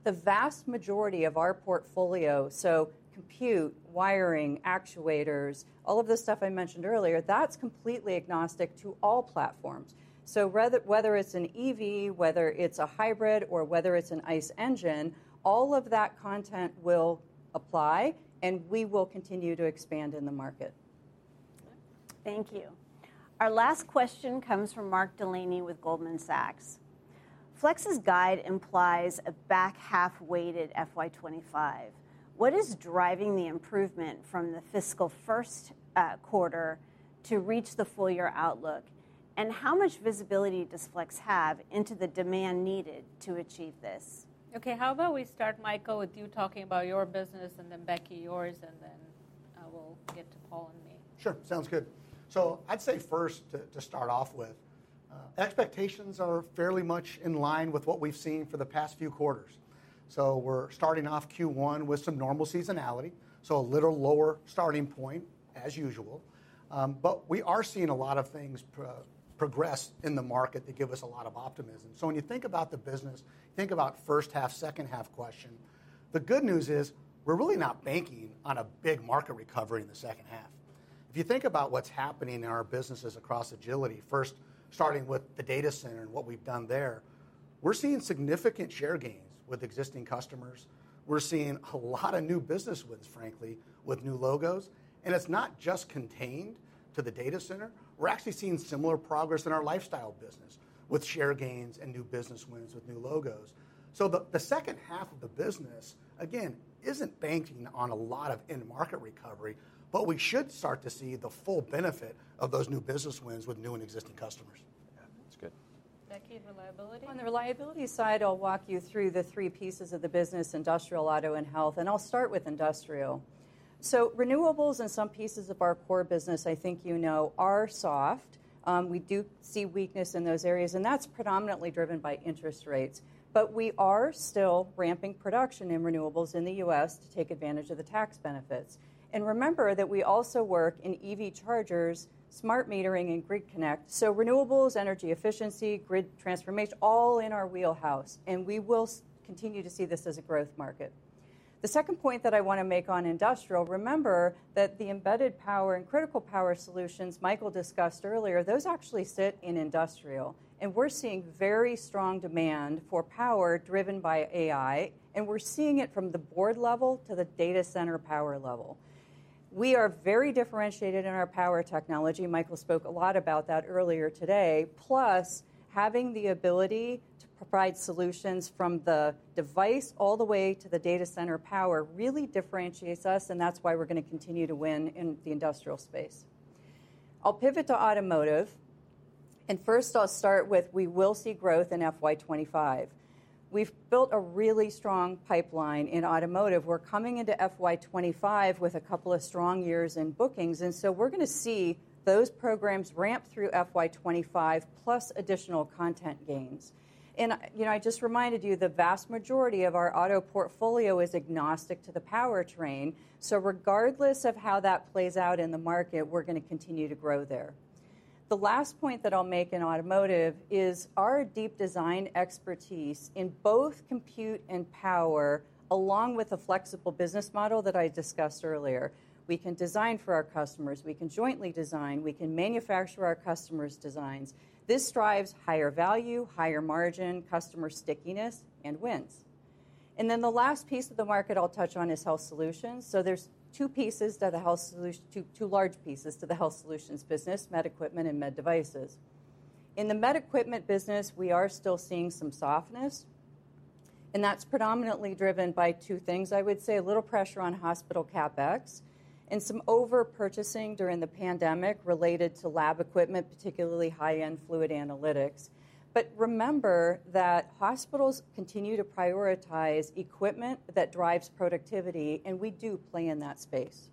the vast majority of our portfolio, so compute, wiring, actuators, all of the stuff I mentioned earlier, that's completely agnostic to all platforms. So, whether it's an EV, whether it's a hybrid, or whether it's an ICE engine, all of that content will apply, and we will continue to expand in the market. Thank you. Our last question comes from Mark Delaney with Goldman Sachs. Flex's guide implies a back half-weighted FY 2025. What is driving the improvement from the fiscal first quarter to reach the full year outlook? And how much visibility does Flex have into the demand needed to achieve this? Okay, how about we start, Michael, with you talking about your business, and then, Becky, yours, and then, we'll get to Paul and me. Sure, sounds good. So I'd say first, to start off with, expectations are fairly much in line with what we've seen for the past few quarters. So we're starting off Q1 with some normal seasonality, so a little lower starting point as usual. But we are seeing a lot of things progress in the market that give us a lot of optimism. So when you think about the business, think about first half, second half question. The good news is we're really not banking on a big market recovery in the second half. If you think about what's happening in our businesses across Agility, first, starting with the data center and what we've done there, we're seeing significant share gains with existing customers. We're seeing a lot of new business wins, frankly, with new logos, and it's not just contained to the data center. We're actually seeing similar progress in our Lifestyle business, with share gains and new business wins with new logos. So the second half of the business, again, isn't banking on a lot of end market recovery, but we should start to see the full benefit of those new business wins with new and existing customers. Yeah, that's good. Becky, Reliability? On the Reliability side, I'll walk you through the three pieces of the business: Industrial, Auto, and Health. I'll start with Industrial. Renewables and some pieces of our core business, I think you know, are soft. We do see weakness in those areas, and that's predominantly driven by interest rates. We are still ramping production in renewables in the U.S. to take advantage of the tax benefits. Remember that we also work in EV chargers, smart metering, and grid connect. Renewables, energy efficiency, grid transformation, all in our wheelhouse, and we will continue to see this as a growth market. The second point that I want to make on Industrial, remember that the embedded power and critical power solutions Michael discussed earlier, those actually sit in Industrial, and we're seeing very strong demand for power driven by AI, and we're seeing it from the board level to the data center power level. We are very differentiated in our power technology. Michael spoke a lot about that earlier today. Plus, having the ability to provide solutions from the device all the way to the data center power really differentiates us, and that's why we're going to continue to win in the Industrial space. I'll pivot to Automotive, and first, I'll start with we will see growth in FY 2025. We've built a really strong pipeline in Automotive. We're coming into FY 25 with a couple of strong years in bookings, and so we're going to see those programs ramp through FY 25, plus additional content gains. And, you know, I just reminded you, the vast majority of our auto portfolio is agnostic to the powertrain, so regardless of how that plays out in the market, we're going to continue to grow there. The last point that I'll make in Automotive is our deep design expertise in both compute and power, along with a flexible business model that I discussed earlier. We can design for our customers, we can jointly design, we can manufacture our customers' designs. This drives higher value, higher margin, customer stickiness, and wins. Then the last piece of the market I'll touch on is Health Solutions. So there's two pieces to the Health Solutions—two, two large pieces to the Health Solutions business: med equipment and med devices. In the med equipment business, we are still seeing some softness, and that's predominantly driven by two things. I would say a little pressure on hospital CapEx, and some over-purchasing during the pandemic related to lab equipment, particularly high-end fluid analytics. But remember that hospitals continue to prioritize equipment that drives productivity, and we do play in that space.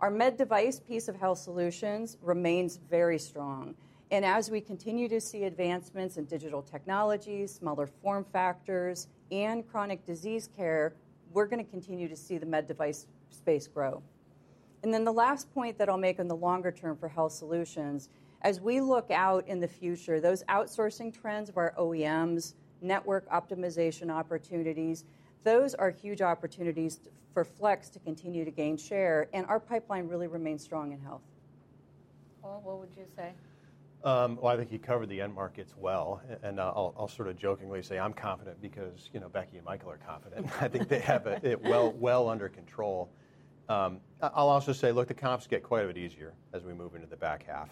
Our med device piece of Health Solutions remains very strong, and as we continue to see advancements in digital technologies, smaller form factors, and chronic disease care, we're gonna continue to see the med device space grow. And then the last point that I'll make on the longer term for Health Solutions, as we look out in the future, those outsourcing trends of our OEMs, network optimization opportunities, those are huge opportunities for Flex to continue to gain share, and our pipeline really remains strong in Health. Paul, what would you say? Well, I think you covered the end markets well. And I'll sort of jokingly say I'm confident because, you know, Becky and Michael are confident. I think they have it well under control. I'll also say, look, the comps get quite a bit easier as we move into the back half.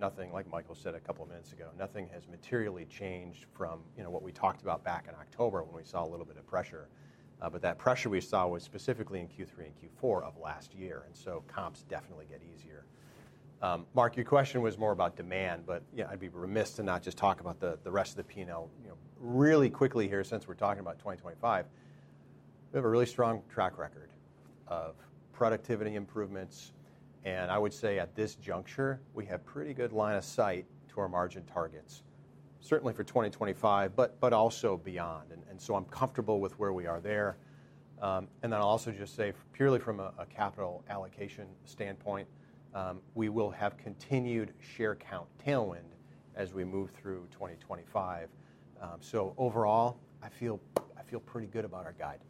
Nothing, like Michael said a couple of minutes ago, has materially changed from, you know, what we talked about back in October when we saw a little bit of pressure. But that pressure we saw was specifically in Q3 and Q4 of last year, and so comps definitely get easier. Mark, your question was more about demand, but yeah, I'd be remiss to not just talk about the rest of the P&L. You know, really quickly here, since we're talking about 2025, we have a really strong track record of productivity improvements, and I would say at this juncture, we have pretty good line of sight to our margin targets. Certainly for 2025, but also beyond, and so I'm comfortable with where we are there. And then I'll also just say, purely from a capital allocation standpoint, we will have continued share count tailwind as we move through 2025. So overall, I feel pretty good about our guide.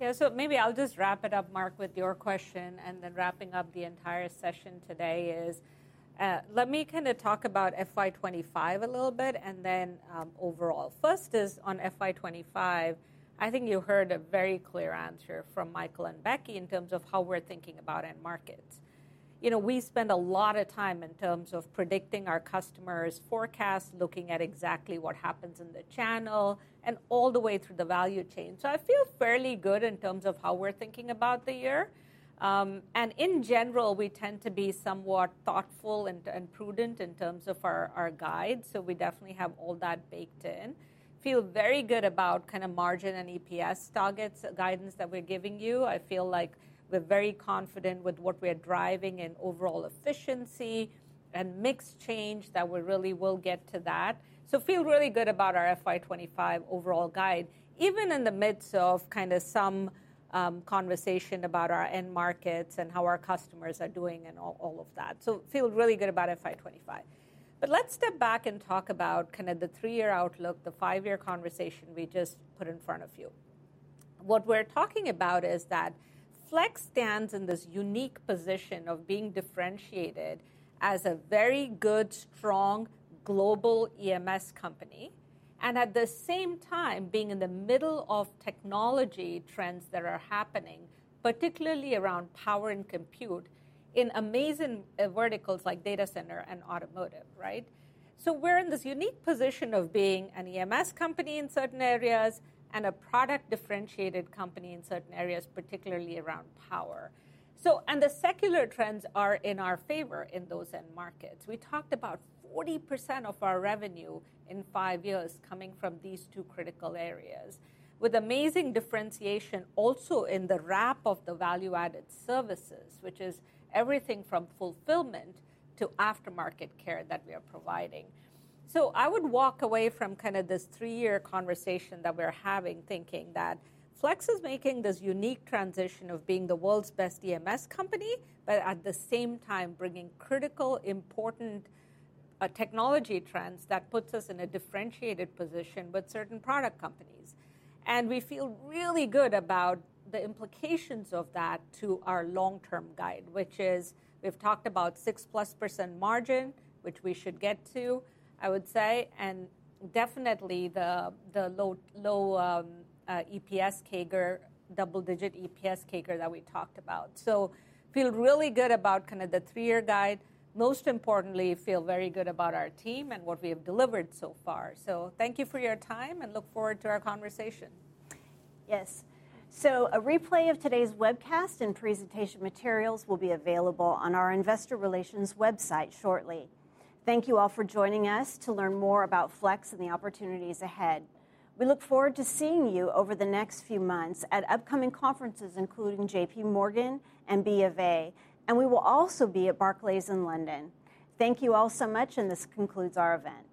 Yeah, so maybe I'll just wrap it up, Mark, with your question, and then wrapping up the entire session today is, let me kind of talk about FY 25 a little bit, and then, overall. First is on FY 25, I think you heard a very clear answer from Michael and Becky in terms of how we're thinking about end markets. You know, we spend a lot of time in terms of predicting our customers' forecasts, looking at exactly what happens in the channel, and all the way through the value chain. So I feel fairly good in terms of how we're thinking about the year. And in general, we tend to be somewhat thoughtful and prudent in terms of our guide, so we definitely have all that baked in. Feel very good about kind of margin and EPS targets, guidance that we're giving you. I feel like we're very confident with what we are driving in overall efficiency and mix change, that we really will get to that. So feel really good about our FY 25 overall guide, even in the midst of kind of some conversation about our end markets and how our customers are doing and all, all of that. So feel really good about FY 25. But let's step back and talk about kind of the 3-year outlook, the 5-year conversation we just put in front of you. What we're talking about is that Flex stands in this unique position of being differentiated as a very good, strong, global EMS company, and at the same time, being in the middle of technology trends that are happening, particularly around power and compute, in amazing verticals like data center and Automotive, right? So we're in this unique position of being an EMS company in certain areas, and a product-differentiated company in certain areas, particularly around power. So, and the secular trends are in our favor in those end markets. We talked about 40% of our revenue in five years coming from these two critical areas, with amazing differentiation also in the wrap of the value-added services, which is everything from fulfillment to aftermarket care that we are providing. So I would walk away from kind of this three-year conversation that we're having, thinking that Flex is making this unique transition of being the world's best EMS company, but at the same time, bringing critical, important, technology trends that puts us in a differentiated position with certain product companies. And we feel really good about the implications of that to our long-term guide, which is, we've talked about 6%+ margin, which we should get to, I would say, and definitely the low double-digit EPS CAGR that we talked about. So feel really good about kind of the 3-year guide. Most importantly, feel very good about our team and what we have delivered so far. So thank you for your time, and look forward to our conversation. Yes. So a replay of today's webcast and presentation materials will be available on our investor relations website shortly. Thank you all for joining us to learn more about Flex and the opportunities ahead. We look forward to seeing you over the next few months at upcoming conferences, including J.P. Morgan and BofA, and we will also be at Barclays in London. Thank you all so much, and this concludes our event.